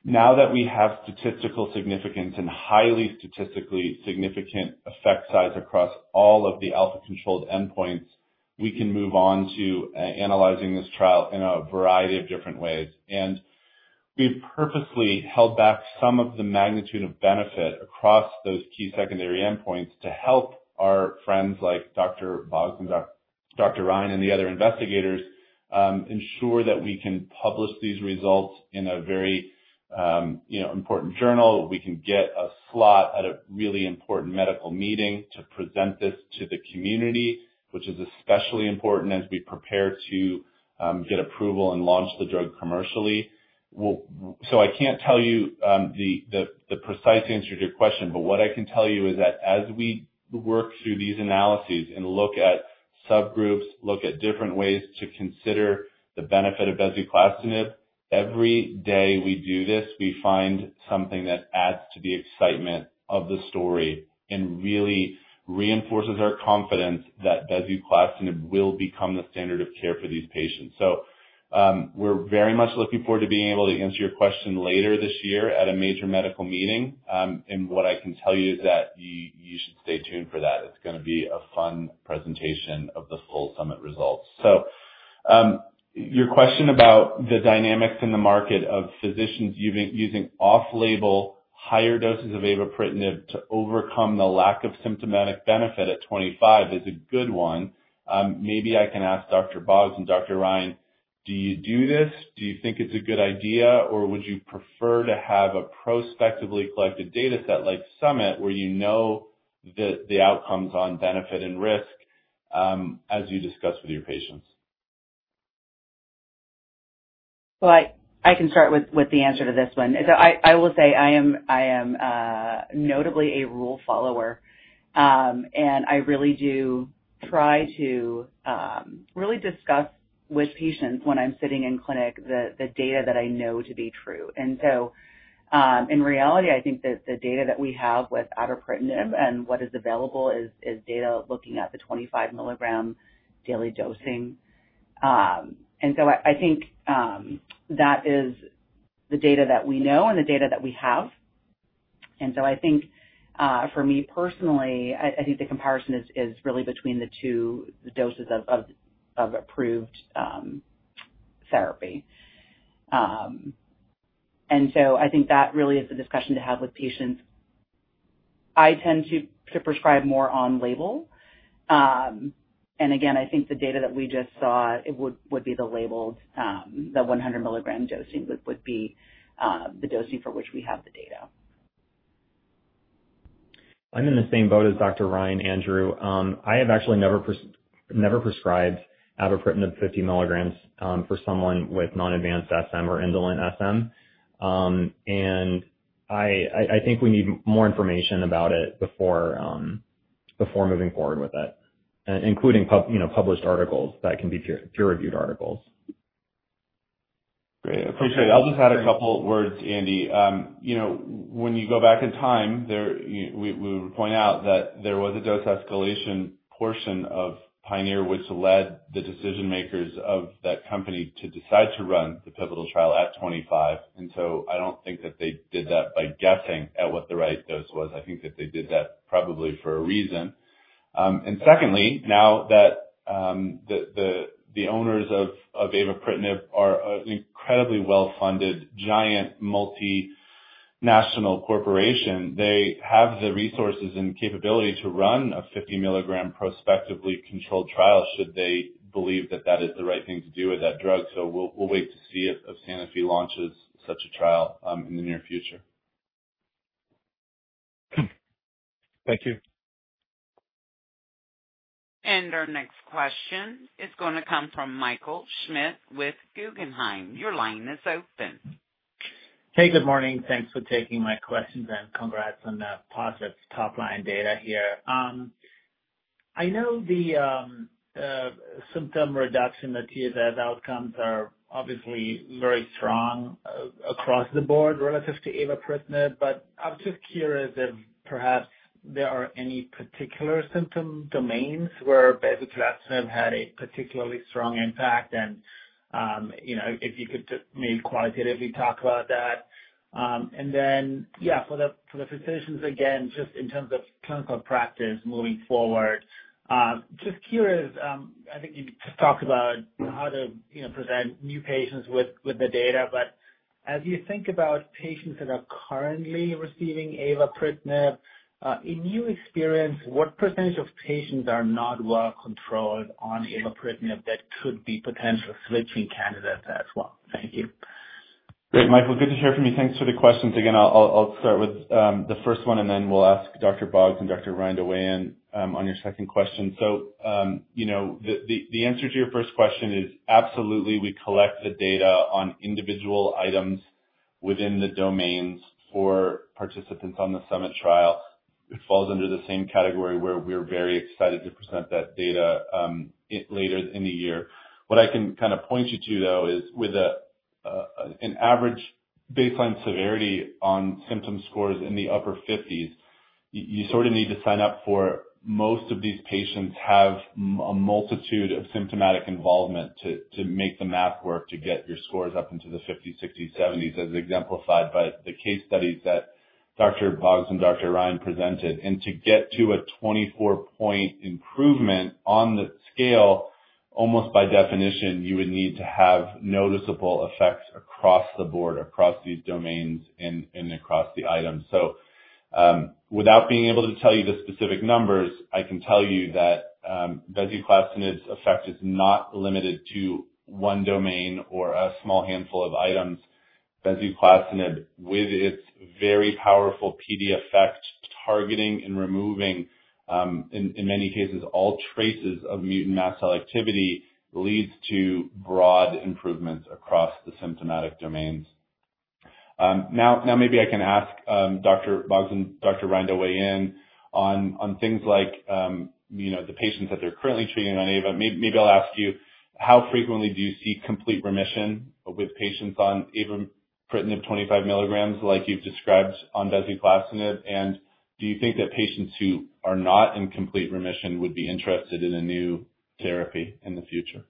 C: Now that we have statistical significance and highly statistically significant effect size across all of the alpha controlled endpoints, we can move on to analyzing this trial in a variety of different ways. We purposely held back some of the magnitude of benefit across those key secondary endpoints to help our friends like Dr. Boggs and Dr. Ryan and the other investigators ensure that we can publish these results in a very important journal. We can get a slot at a really important medical meeting to present this to the community, which is especially important as we prepare to get approval and launch the drug commercially. I can't tell you the precise answer to your question, but what I can tell you is that as we work through these analyses and look at subgroups, look at different ways to consider the benefit of bezuclastinib, every day we do this, we find something that adds to the excitement of the story and really reinforces our confidence that bezuclastinib will become the standard of care for these patients. We're very much looking forward to being able to answer your question later this year at a major medical meeting. What I can tell you is that you should stay tuned for that. It's going to be a fun presentation of the full SUMMIT results. Your question about the dynamics in the market of physicians using off-label higher doses of avapritinib to overcome the lack of symptomatic benefit at 25 is a good one. Maybe I can ask Dr. Boggs and Dr. Ryan, do you do this? Do you think it's a good idea or would you prefer to have a prospectively collected data set like SUMMIT where you know the outcomes on benefit and risk as you discuss with your patients?
E: I can start with the answer to this one. I will say I am notably a rule follower and I really do try to really discuss with patients when I'm sitting in clinic the data that I know to be true. In reality, I think that the data that we have with avapritinib and what is available is data looking at the 25 mg daily dosing. I think that is the data that we know and the data that we have. I think, for me personally, I think the comparison is really between the two doses of approved therapy. I think that really is a discussion to have with patients. I tend to prescribe more on label. I think the data that we just saw would be the labeled, the 100 mg dosing would be the dosing for which we have the data.
D: I'm in the same boat as Dr. Ryan, Andrew. I have actually never, never prescribed avapritinib 50 mg for someone with non-advanced SM or indolent SM. I think we need more information about it before moving forward with it, including published articles that can be peer-reviewed articles.
C: Great, appreciate it. I'll just add a couple words, Andy, when you go back in time, we point out that there was a dose escalation portion of PIONEER which led the decision makers of that company to decide to run the pivotal trial at 25 mg. I don't think that they did that by guessing at what the right dose was. I think that they did that probably for a reason. Secondly, now that the owners of avapritinib are an incredibly well funded, giant multinational corporation, they have the resources and capability to run a 50 mg prospectively controlled trial should they believe that that is the right thing to do with that drug. We'll wait to see if Sanofi launches such a trial in the near future.
G: Thank you.
A: Our next question is going to come from Michael Schmidt with Guggenheim. Your line is open.
H: Hey, good morning. Thanks for taking my questions and congrats on positive top line data here. I know the symptom reduction, that total symptom score outcomes are obviously very strong across the board relative to avapritinib. I'm just curious if perhaps there are any particular symptom domains where bezuclastinib had a particularly strong impact. If you could maybe quantitatively talk about that. Yeah, for the physicians, just in terms of clinical practice moving forward. Just curious, I think you just talked about how to present new patients with the data. As you think about patients that are currently receiving avapritinib in your experience what percentage of patients are not well controlled on avapritinib, that could be potential switching candidates as well. Thank you.
C: Great. Michael, good to hear from you. Thanks for the questions again. I'll start with the first one and then we'll ask Dr. Boggs and Dr. Ryan to weigh in on your second question. The answer to your first question is absolutely we collect the data on individual items within the domains for participants on the SUMMIT trial. It falls under the same category where we're very excited to present that data later in the year. What I can kind of point you to, though, is with an average baseline severity on symptom scores in the upper 50s, you sort of need to sign up for most of these patients, have a multitude of symptomatic involvement to make the math work to get your scores up into the 50s, 60s, 70s, as exemplified by the case studies that Dr. Boggs and Dr. Ryan presented. To get to a 24-point improvement on the scale, almost by definition, you would need to have noticeable effects across the board, across these domains and across the items. Without being able to tell you the specific numbers, I can tell you that bezuclastinib's effect is not limited to one domain or a small handful of items. Bezuclastinib, with its very powerful PD effect, targeting and removing in many cases all traces of mutant mast cell activity, leads to broad improvements across the symptomatic domains. Now, maybe I can ask Dr. Boggs and Dr. Ryan to weigh in on things like the patients that they're currently treating on ava. Maybe I'll ask you, how frequently do you see complete remission with patients on avapritini? 25 mg, like you've described on bezuclastinib. Do you think that patients who are not in complete remission would be interested in a new therapy in the future?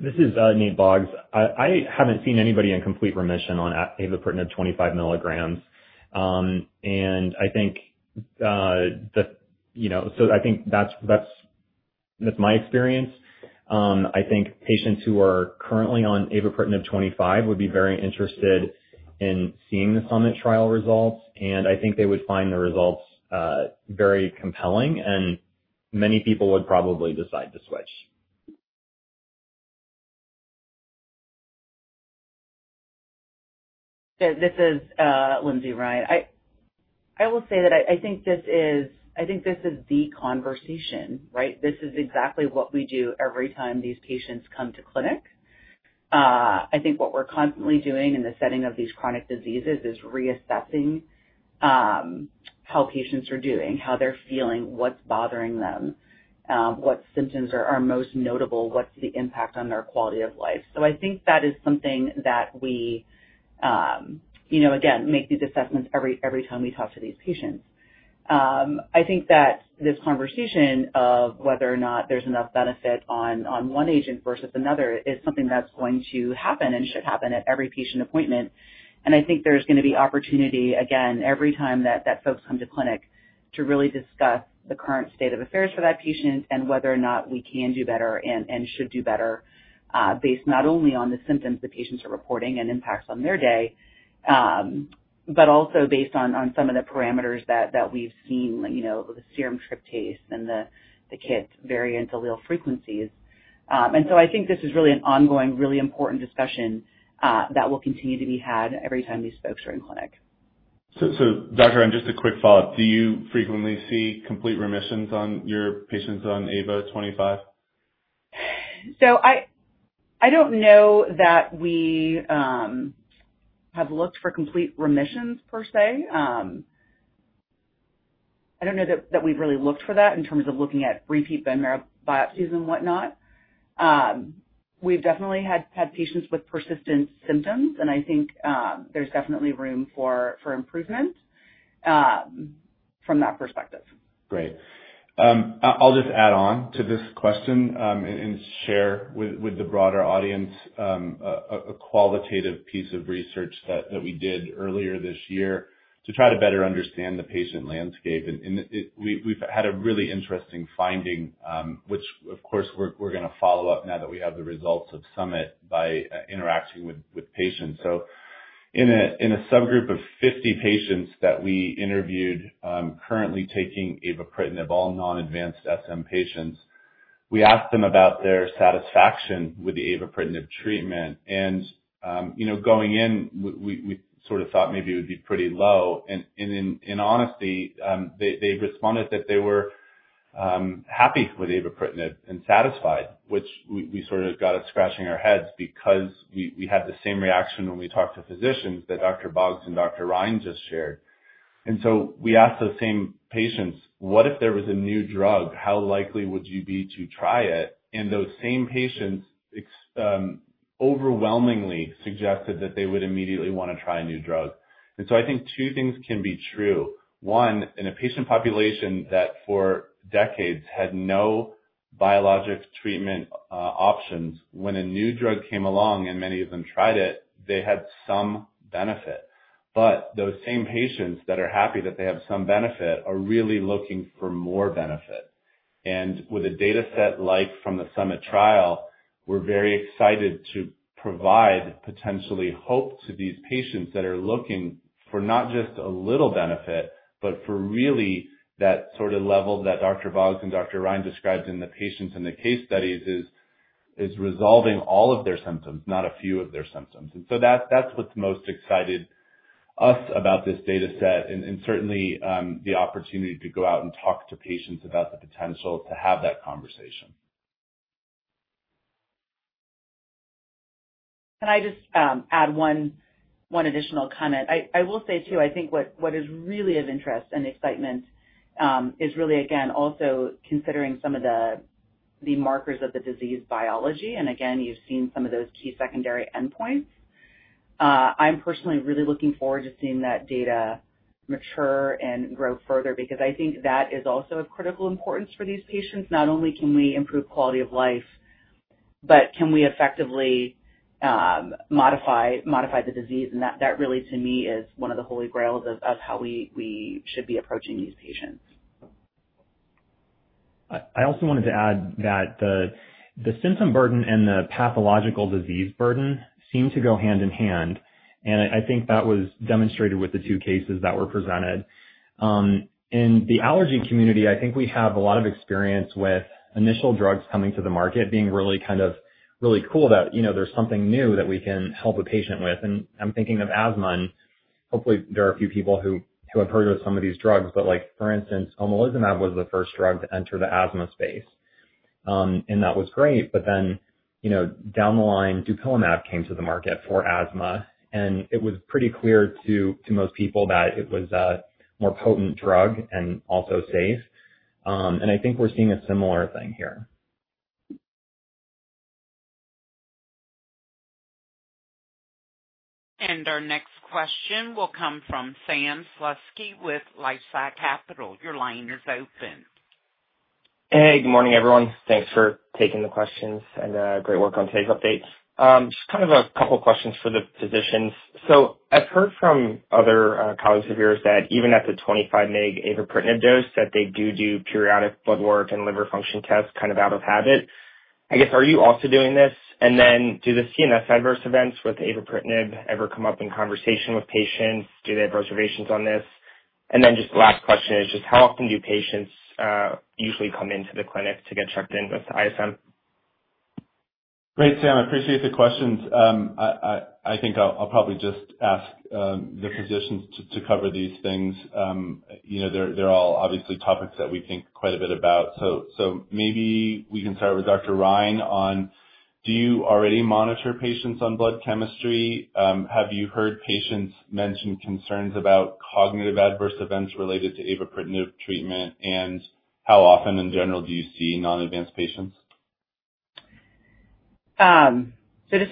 D: This is Nathan Boggs. I haven't seen anybody in complete remission on avapritinib 25 mg. I think, you know, that's my experience, I think patients who are currently on avapritinib 25 mg would be very interested seeing the SUMMIT trial results and I think they would find the results very compelling and many people would probably decide to switch.
E: This is Lindsey Ryan. I will say that I think this is the conversation, right? This is exactly what we do every time these patients come to clinic. I think what we're constantly doing in the setting of these chronic diseases is reassessing how patients are doing, how they're feeling, what's bothering them, what symptoms are most notable, what's the impact on their quality of life. I think that is something that we, again, make these assessments every time we talk to these patients. I think that this conversation of whether or not there's enough benefit on one agent versus another is something that's going to happen and should happen at every patient appointment. I think there's going to be opportunity, again, every time that folks come to clinic to really discuss the current state of affairs for that patient and whether or not we can do better and should do better based not only on the symptoms the patients are reporting and impacts on their day, but also based on some of the parameters that we've seen, the serum tryptase and the KIT variant allele frequencies. I think this is really an ongoing, really important discussion that will continue to be had every time these folks are in clinic.
H: Doctor, just a quick follow up. Do you frequently see complete remissions on your patients on avapritinib 25 mg?
E: I don't know that we have looked for complete remissions per se. I don't know that we've really looked for that in terms of looking at repeat bone marrow biopsies and whatnot. We've definitely had patients with persistent symptoms, and I think there's definitely room for improvement from that perspective.
C: Great. I'll just add on to this question and share with the broader audience a qualitative piece of research that we did earlier this year to try to better understand the patient landscape. We've had a really interesting finding, which of course we're going to follow up now that we have the results of SUMMIT by interacting with patients. In a subgroup of 50 patients that we interviewed currently taking avapritinib, all non-advanced SM patients, we asked them about their satisfaction with the avapritinib treatment. You know, going in, we sort of thought maybe it would be pretty low. In honesty, they responded that they were happy with avapritinib and satisfied, which sort of got us scratching our heads because we had the same reaction when we talked to physicians that Dr. Boggs and Dr. Ryan just shared. We asked those same patients, what if there was a new drug? How likely would you be to try it? Those same patients overwhelmingly suggested that they would immediately want to try a new drug. I think two things can be true. One, in a patient population that for decades had no biologic treatment options, when a new drug came along and many of them tried it, they had some benefit, but those same patients that are happy that they have some benefit are really looking for more benefit. With a data set like from the SUMMIT trial, we're very excited to provide potentially hope to these patients that are looking for not just a little benefit, but for really that sort of level that Dr. Boggs and Dr. Ryan described in the patients and the case studies is resolving all of their symptoms, not a few of their symptoms. That's what's most excited us about this data set, and certainly the opportunity to go out and talk to patients about the potential to have that conversation.
E: Can I just add one additional comment? I will say, too, I think what is really of interest and excitement is really, again, also considering some of the markers of the disease biology. You have seen some of those key secondary endpoints. I'm personally really looking forward to seeing that data mature and grow further, because I think that is also of critical importance for these patients. Not only can we improve quality of life, but can we effectively modify the disease. That really, to me, is one of the holy grails of how we should be approaching these patients.
D: I also wanted to add that the symptom burden and the pathological disease burden seem to go hand in hand, and I think that was demonstrated with the two cases that were presented in the allergy community. I think we have a lot of experience with initial drugs coming to the market being really kind of really cool that there's something new that we can help a patient with. I'm thinking of asthma. Hopefully there are a few people who have heard of some of these drugs. For instance, omalizumab was the first drug to enter the asthma space, and that was great. Down the line, dupilumab came to the market for asthma, and it was pretty clear to most people that it was a more potent drug and also safe. I think we're seeing a similar thing here.
A: Our next question will come from Sam Slutsky with Lifesack Capital. Your line is open.
I: Hey, good morning, everyone. Thanks for taking the questions and great work on today's update. Just kind of a couple questions for the physicians. I've heard from other colleagues of yours that even at the 25 mg avapritinib dose that they do periodic blood work and liver function tests, kind of out of habit, I guess, are you also doing this? Do the CNS adverse events with avapritinib ever come up in conversation with patients? Do they have reservations on this? Just the last question is how often do patients usually come into the clinic to get checked in with indolent SM?
C: Great, Sam, I appreciate the questions. I think I'll probably just ask the physicians to cover these things. They're all obviously topics that we think quite a bit about. Maybe we can start with Dr. Ryan. Do you already monitor patients on blood chemistry? Have you heard patients mention concerns about cognitive adverse events related to avapritinib treatment? How often in general do you see non-advanced patients?
E: In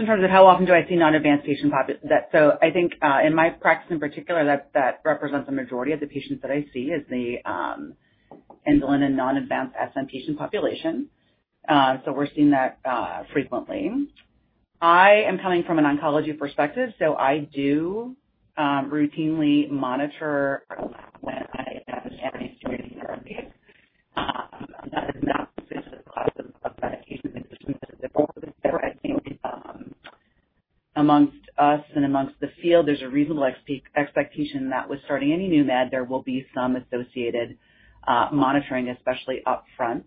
E: terms of how often, do I see non-advanced patient population? I think in my practice in particular, that represents a majority of the patients that I see is the indolent and non-advanced SM patient population. We're seeing that frequently. I am coming from an oncology perspective, so I do routinely monitor when I have a Japanese community therapy [AUDIO DISTORTION] that is not amongst us and amongst the field, there's a reasonable expectation that with starting any new med, there will be some associated monitoring, especially up front.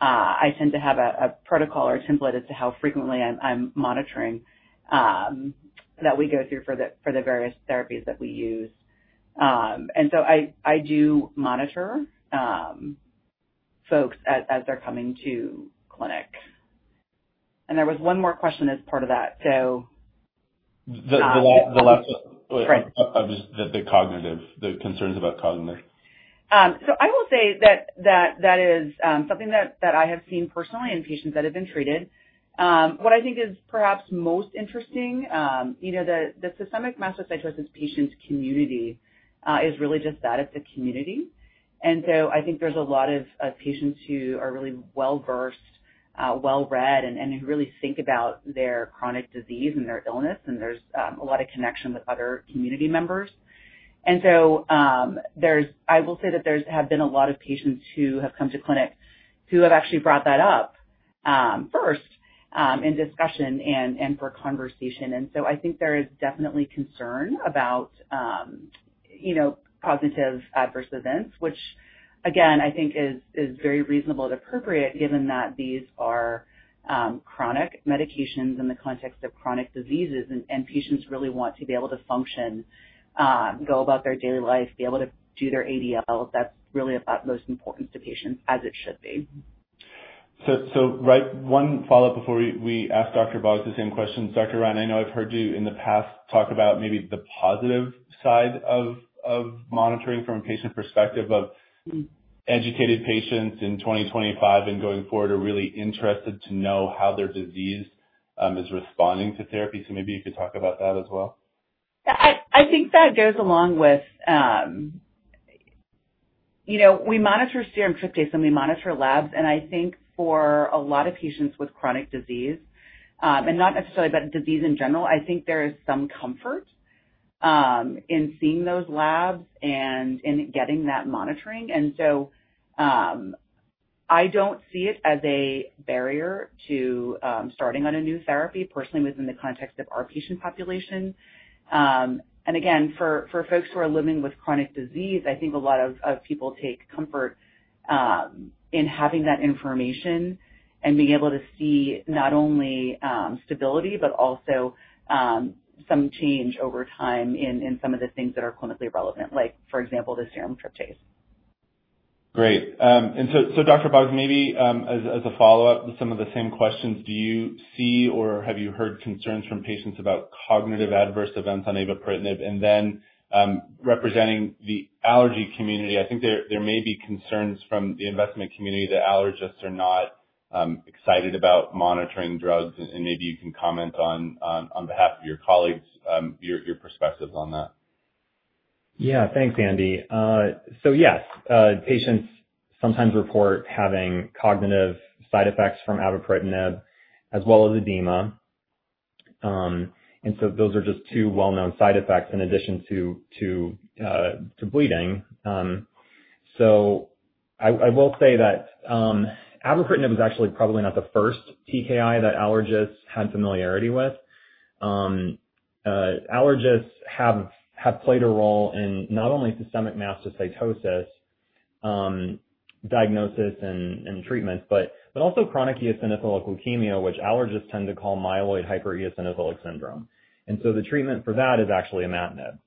E: I tend to have a protocol or template as to how frequently I'm monitoring that we go through for the various therapies that we use. I do monitor folks as they're coming to clinic. There was one more question as part of that.
C: The last one, the concerns about cognitive.
E: I will say that that is something that I have seen personally in patients that have been treated. What I think is perhaps most interesting, you know, the systemic mastocytosis patient's community is really just that, it's a community. I think there's a lot of patients who are really well versed, well read, and who really think about their chronic disease and their illness. There's a lot of connection with other community members. I will say that there have been a lot of patients who have come to clinic who have actually brought that up first in discussion and for conversation. I think there is definitely concern about cognitive adverse events, which again, I think is very reasonable and appropriate given that these are chronic medications in the context of chronic diseases and patients really want to be able to function, go about their daily life, be able to do their ADL. That's really of utmost importance to patients, as it should be.
C: One follow up before we ask Dr. Boggs the same question. Dr. Ryan, I know I've heard you in the past talk about maybe the positive side of monitoring from a patient perspective of educated patients in 2025 and going forward are really interested to know how their disease is responding to therapy. Maybe you could talk about that as well.
E: I think that goes along with, you know, we monitor serum tryptase and we monitor labs. I think for a lot of patients with chronic disease, and not necessarily, but disease in general, there is some comfort in seeing those labs and in getting that monitoring. I don't see it as a barrier to starting on a new therapy, personally, within the context of our patient population. Again, for folks who are living with chronic disease, I think a lot of people take comfort in having that information and being able to see not only stability, but also some change over time in some of the things that are clinically relevant, like, for example, the serum tryptase.
C: Great. Dr. Boggs, maybe as a follow up to some of the same questions, do you see or have you heard concerns from patients about cognitive adverse events on avapritinib? Representing the allergy community, I think there may be concerns from the investment community that allergists are not excited about monitoring drugs and maybe you can comment on behalf of your colleagues your perspectives on that.
D: Yeah, thanks, Andy. Yes, patients sometimes report having cognitive side effects from avapritinib as well as edema. Those are just two well known side effects in addition to bleeding. I will say that avapritinib was actually probably not the first TKI that allergists had familiarity with. Allergists have played a role in not only systemic mastocytosis diagnosis and treatments, but also chronic eosinophilic leukemia, which allergists tend to call myeloid hypereosinophilic syndrome. The treatment for that is actually imatinib.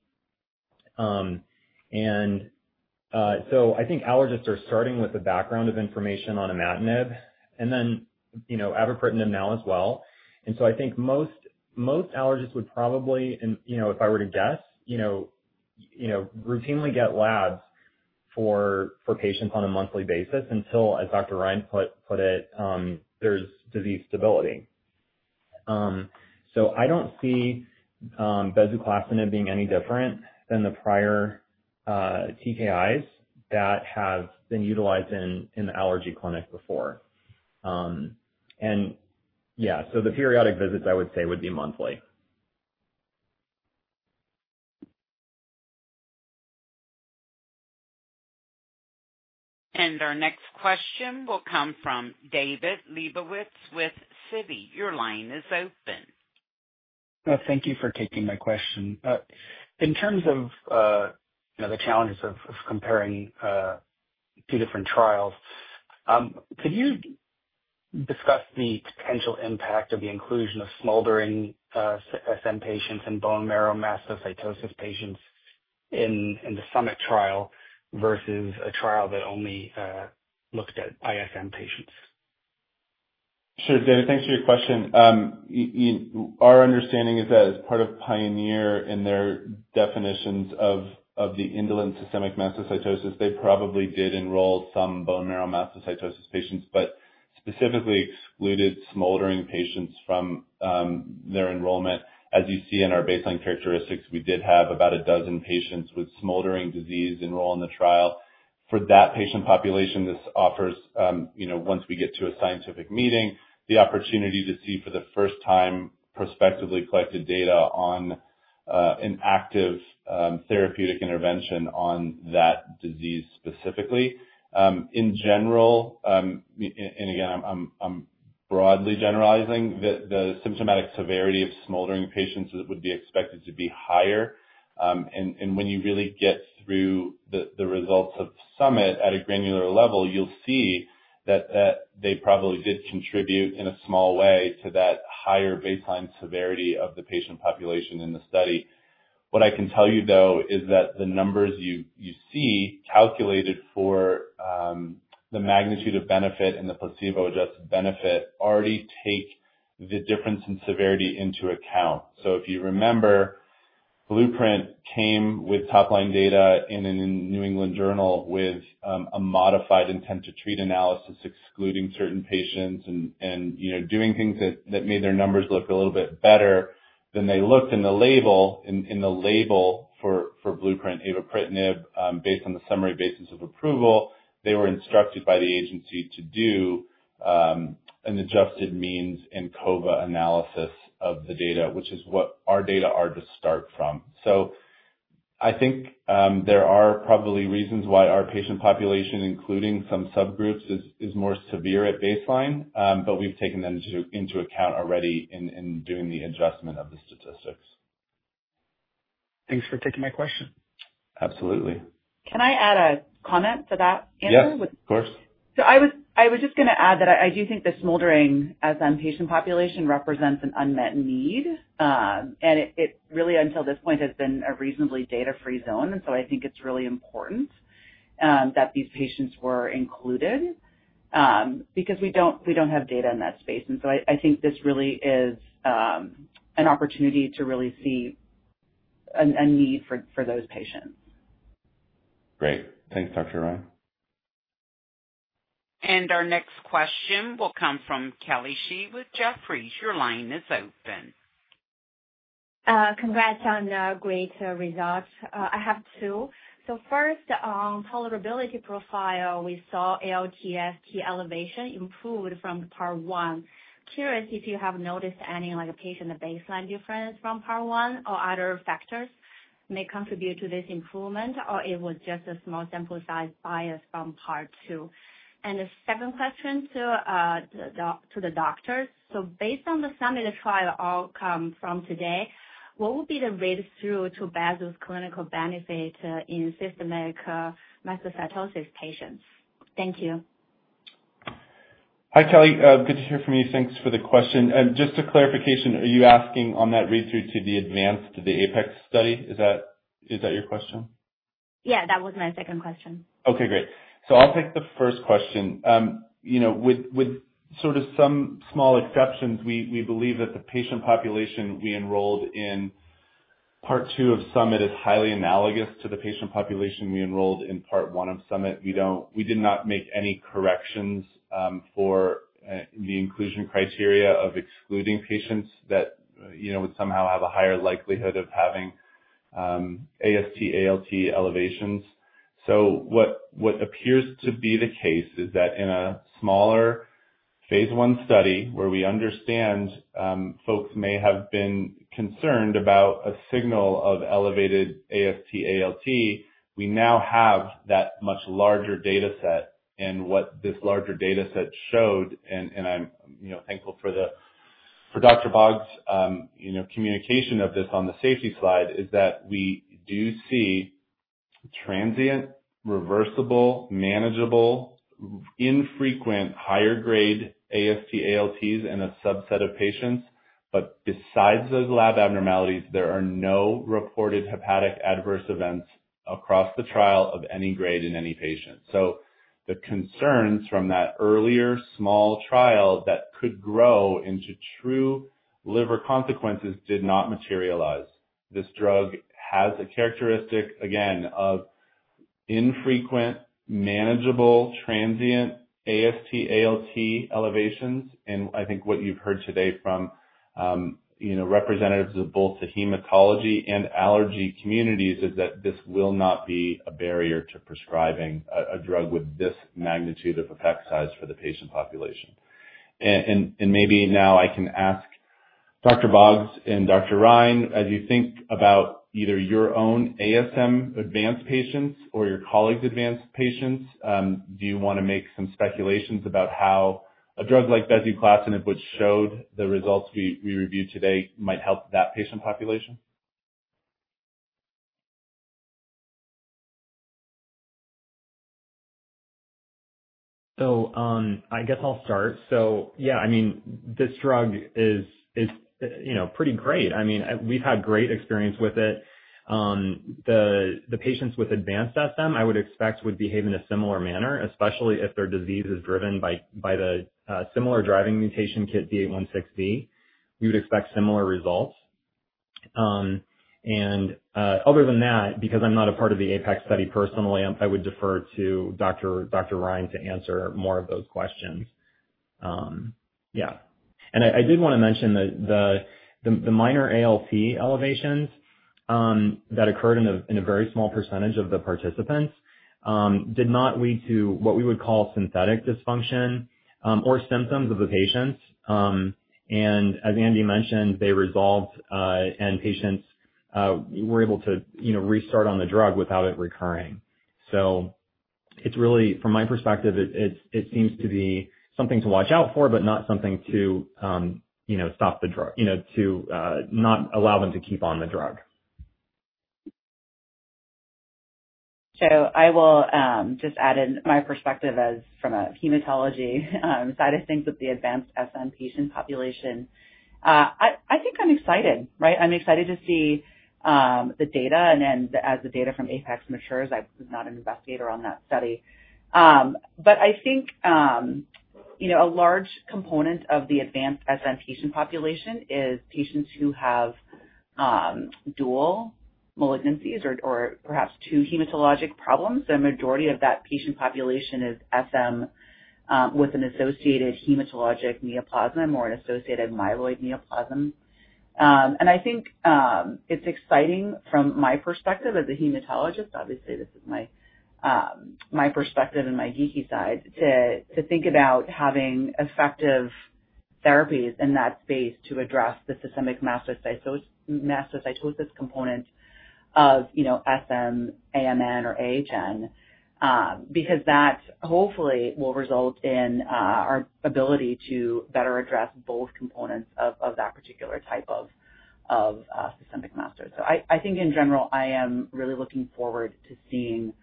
D: I think allergists are starting with the background of information on imatinib and then avapritinib now as well. I think most allergists would probably, if I were to guess, routinely get labs for patients on a monthly basis until, as Dr. Ryan put it, there's disease stability. I don't see bezuclastinib being any different than the prior TKIs that have been utilized in the allergy clinic before. The periodic visits, I would say, would be monthly.
A: Our next question will come from David Lebowitz with Citi. Your line is open.
J: Thank you for taking my question. In terms of the challenges of comparing two different trials, could you discuss the potential impact of the inclusion of smoldering SM patients and bone marrow mastocytosis patients in the SUMMIT trial versus a trial that only looked at indolent SM patients?
C: Sure. David, thanks for your question. Our understanding is that as part of PIONEER and their definitions of the indolent systemic mastocytosis, they probably did enroll some bone marrow mastocytosis patients, but specifically excluded smoldering patients from their enrollment. As you see in our baseline characteristics, we did have about a dozen patients with smoldering disease enroll in the trial for that patient population. This offers, once we get to a scientific meeting, the opportunity to see for the first time prospectively collected data on an active therapeutic intervention on that disease specifically. In general, I'm broadly generalizing that the symptomatic severity of smoldering patients would be expected to be higher. When you really get through the results of SUMMIT at a granular level, you'll see that they probably did contribute in a small way to that higher baseline severity of the patient population in the study. What I can tell you though is that the numbers you see calculated for the magnitude of benefit and the placebo-adjusted benefit already take the difference in severity into account. If you remember, Blueprint came with top line data in a New England Journal with a modified intent to treat analysis, excluding certain patients and, you know, doing things that made their numbers look a little bit better than they looked in the label, in the label for Blueprint avapritinib. Based on the summary basis of approval, they were instructed by the agency to do an adjusted means ANCOVA analysis of the data, which is what our data are to start from. I think there are probably reasons why our patient population, including some subgroups, is more severe at baseline, but we've taken them into account already in doing the adjustment of the statistics.
J: Thanks for taking my question.
C: Absolutely.
E: Can I add a comment to that, Andrew?
C: Yeah. Of course.
K: I was just going to add that I do think the smoldering SM patient population represents an unmet need. Until this point, it has been a reasonably data-free zone. I think it's really important that these patients were included because we don't have data in that space. I think this really is an opportunity to see a need for those patients.
C: Great. Thanks, Dr. Ryan.
A: Our next question will come from Kelly Shi with Jefferies. Your line is out.
L: Ben, congrats on great results. I have two. First, on tolerability profile, we saw ALT/AST elevation improved from part one. Curious if you have noticed any, like a patient baseline difference from part one or other factors may contribute to this improvement or it was just a small sample size bias from part two. The second question to the doctors. Based on the SUMMIT trial outcome from today, what would be the read through to bezuclastinib's clinical benefit in systemic mastocytosis patients? Thank you.
C: Hi, Kelly. Good to hear from you. Thanks for the question. Just a clarification. Are you asking on that read through to the advanced the APEX study? Is that your question?
L: Yeah, that was my second question.
C: Okay, great. I'll take the first question. With sort of some small exceptions, we believe that the patient population we enrolled in part two of SUMMIT is highly analogous to the patient population we enrolled in part one of SUMMIT. We did not make any corrections for the inclusion criteria of excluding patients that would somehow have a higher likelihood of having ALT/AST elevations. What appears to be the case is that in a smaller phase one study where we understand folks may have been concerned about a signal of elevated ALT/AST, we now have that much larger data set and what this larger data set showed, and I'm thankful for Dr. Boggs' communication of this on the safety slide, is that we do see transient, reversible, manageable, infrequent, higher grade ALT/AST in a subset of patients. Besides those lab abnormalities, there are no reported hepatic adverse events across the trial of any grade in any patient. The concerns from that earlier small trial that could grow into true liver consequences did not materialize. This drug has a characteristic again, of infrequent, manageable, transient ALT/AST elevations. I think what you've heard today from representatives of both the hematology and allergy communities is that this will not be a barrier to prescribing a drug with this magnitude of effect size for the patient population. Maybe now I can ask Dr. Boggs and Dr. Ryan, as you think about either your own ASM advanced patients or your colleagues' advanced patients, do you want to make some speculations about how a drug like bezuclastinib, which showed the results we reviewed today, might help that patient population.
D: I guess I'll start. Yeah, I mean, this drug is pretty great. We've had great experience with it. The patients with advanced SM, I would expect, would behave in a similar manner, especially if their disease is driven by the similar driving mutation KIT D816V. We would expect similar results. Other than that, because I'm not a part of the APEX trial personally, I would defer to Dr. Ryan to answer more of those questions. Yeah. I did want to mention that the minor ALT/AST elevations that occurred in a very small percentage of the participants did not lead to what we would call synthetic dysfunction or symptoms of the patients. As Andy mentioned, they resolved and patients were able to restart on the drug without it recurring. From my perspective, it seems to be something to watch out for, but not something to stop the drug, to not allow them to keep on the drug.
E: I will just add, in my perspective, as from a hematology side of things, with the advanced SM patient population, I think I'm excited. I'm excited to see the data. As the data from APEX matures, I was not an investigator on that study, but I think a large component of the advanced SM patient population is patients who have dual malignancies or perhaps two hematologic problems. The majority of that patient population is SM with an associated hematologic neoplasm or an associated myeloid neoplasm. I think it's exciting from my perspective as a hematologist, obviously, this is my perspective and my geeky side, to think about having effective therapies in that space to address the systemic mastocytosis component of SM-AHN or AMN, because that hopefully will result in our ability to better address both components of that particular type of systemic mastocytosis. I think, in general, I am really looking forward to seeing that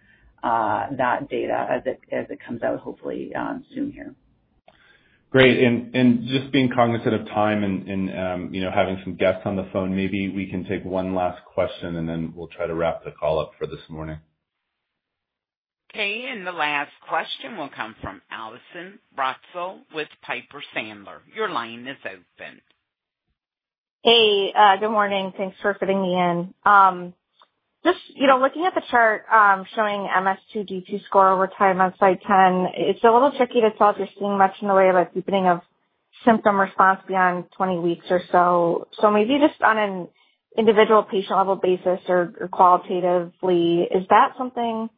E: data as it comes out, hopefully soon here.
C: Great. Being cognizant of time and having some guests on the phone, maybe we can take one last question and then we'll try to wrap the call up for this morning.
A: Okay. The last question will come from Allison Bratzel with Piper Sandler. Your line is open.
M: Hey, good morning. Thanks for fitting me in. Just, you know, looking at the chart showing MS.2D2 score over time on slide 10, it's a little tricky to tell if you're seeing much in the way of a deepening of symptom response beyond 20 weeks or so. Maybe just on an individual patient level basis or qualitatively, is that something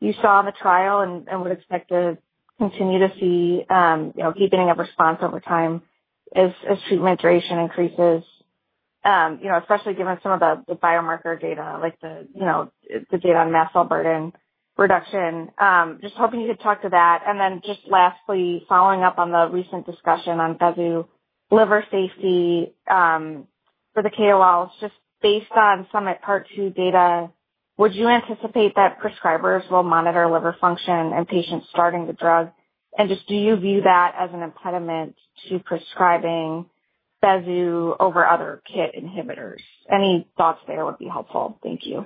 M: you saw in the trial and would expect to continue to see? You know, keeping a response over time as treatment duration increases, especially given some of the biomarker data like the data on mast cell burden reduction. Just hoping you could talk to that. Lastly, following up on the recent discussion on bezuclastinib liver safety for the KOLs, just based on SUMMIT part two data, would you anticipate that prescribers will monitor liver function in patients starting the drug? Do you view that as an impediment to prescribing bezuclastinib over other KIT inhibitors? Any thoughts there would be helpful, thank you.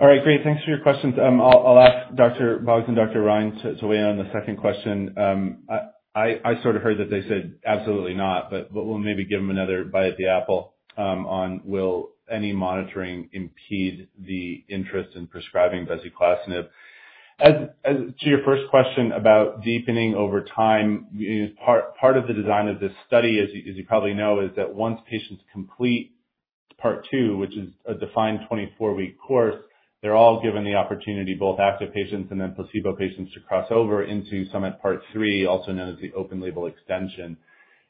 C: All right, great. Thanks for your questions. I'll ask Dr. Boggs and Dr. Ryan to weigh in on the second question. I sort of heard that they said absolutely not, but we'll maybe give them another bite at the apple on will any monitoring impede the interest in prescribing bezuclastinib? To your first question about deepening over time. Part of the design of this study, as you probably know, is that once patients complete, part two, which is a defined 24-week course, they're all given the opportunity, both active patients and then placebo patients, to cross over into SUMMIT part three, also known as the open-label extension.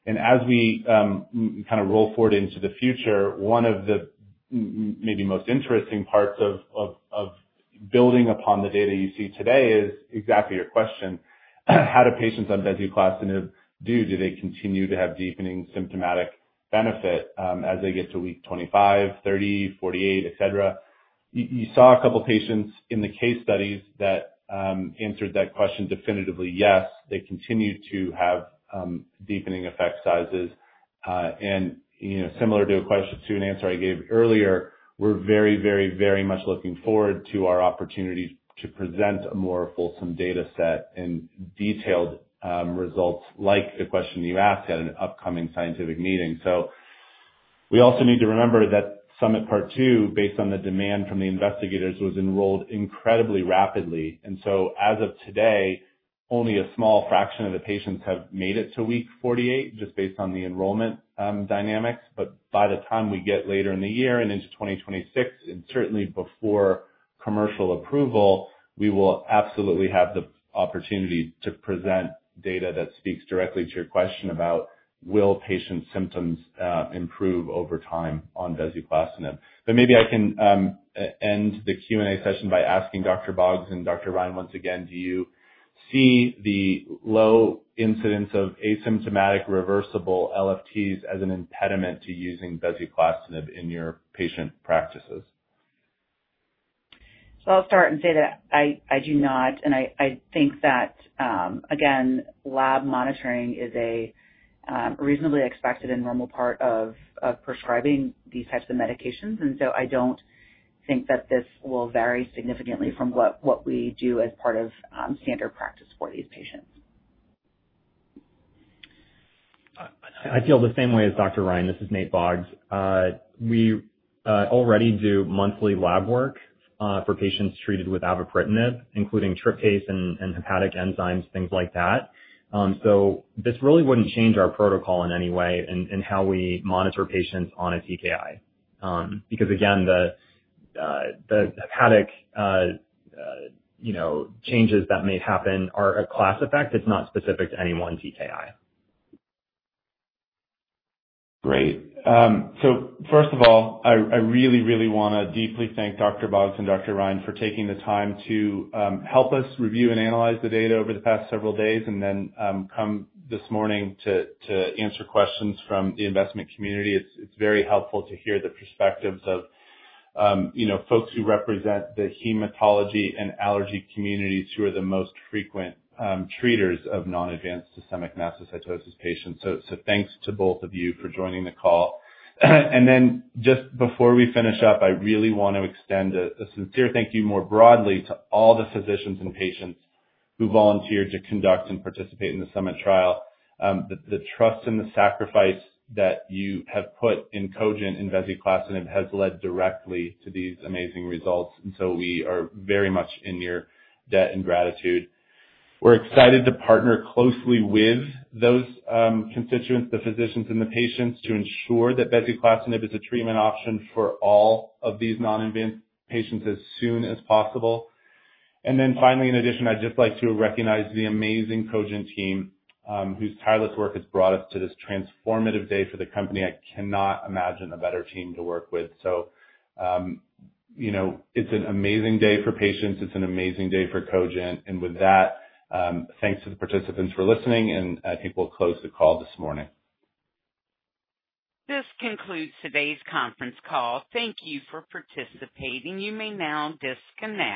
C: As we kind of roll forward into the future, one of the maybe most interesting parts of building upon the data you see today is exactly your question. How do patients on bezuclastinib do? Do they continue to have deepening symptomatic benefit as they get to week 25, 30, 48, et cetera? You saw a couple patients in the case studies that answered that question definitively. Yes, they continue to have deepening effect sizes. Similar to an answer I gave earlier, we're very, very, very much looking forward to our opportunity to present a more fulsome data set and detailed results like the question you asked at an upcoming scientific meeting. We also need to remember that SUMMIT part two, based on the demand from the investigators, was enrolled incredibly rapidly. As of today, only a small fraction of the patients have made it to week 48, just based on the enrollment dynamics. By the time we get later in the year and into 2026 and certainly before commercial approval, we will absolutely have the opportunity to present data that speaks directly to your question about will patient symptoms improve over time on bezuclastinib. Maybe I can end the Q&A session by asking Dr. Boggs and Dr. Ryan once again, do you see the low incidence of asymptomatic reversible LFTs as an impediment to using bezuclastinib in your patient practices.
E: I do not. I think that, again, lab monitoring is a reasonably expected and normal part of prescribing these types of medications. I don't think that this will vary significantly from what we do as part of standard practice for these patients.
D: I feel the same way as Dr. Ryan. This is Dr. Nathan Boggs. We already do monthly lab work for patients treated with avapritinib, including tryptase and hepatic enzymes, things like that. This really wouldn't change our protocol in any way in how we monitor patients on a TKI because again, the hepatic changes that may happen are a class effect. It's not specific to any 1 TKI.
C: Great. First of all, I really, really want to deeply thank Dr. Boggs and Dr. Ryan for taking the time to help us review and analyze the data over the past several days and then come this morning to answer questions from the investment community. It's very helpful to hear the perspectives of folks who represent the hematology and allergy communities who are the most frequent treaters of non-advanced systemic mastocytosis patients. Thanks to both of you for joining the call. Just before we finish up, I really want to extend a sincere thank you more broadly to all the physicians and patients who volunteered to conduct and participate in the SUMMIT trial. The trust and the sacrifice that you have put in Cogent and bezuclastinib has led directly to these amazing results. We are very much in your debt and gratitude. We're excited to partner closely with those constituents, the physicians and the patients, to ensure that bezuclastinib is a treatment option for all of these non-advanced patients as soon as possible. In addition, I'd just like to recognize the amazing Cogent team whose tireless work has brought us to this transformative day for the company. I cannot imagine a better team to work with. It's an amazing day for patients. It's an amazing day for Cogent. With that, thanks to the participants for listening and I think we'll close the call this morning.
A: This concludes today's conference call. Thank you for participating. You may now disconnect.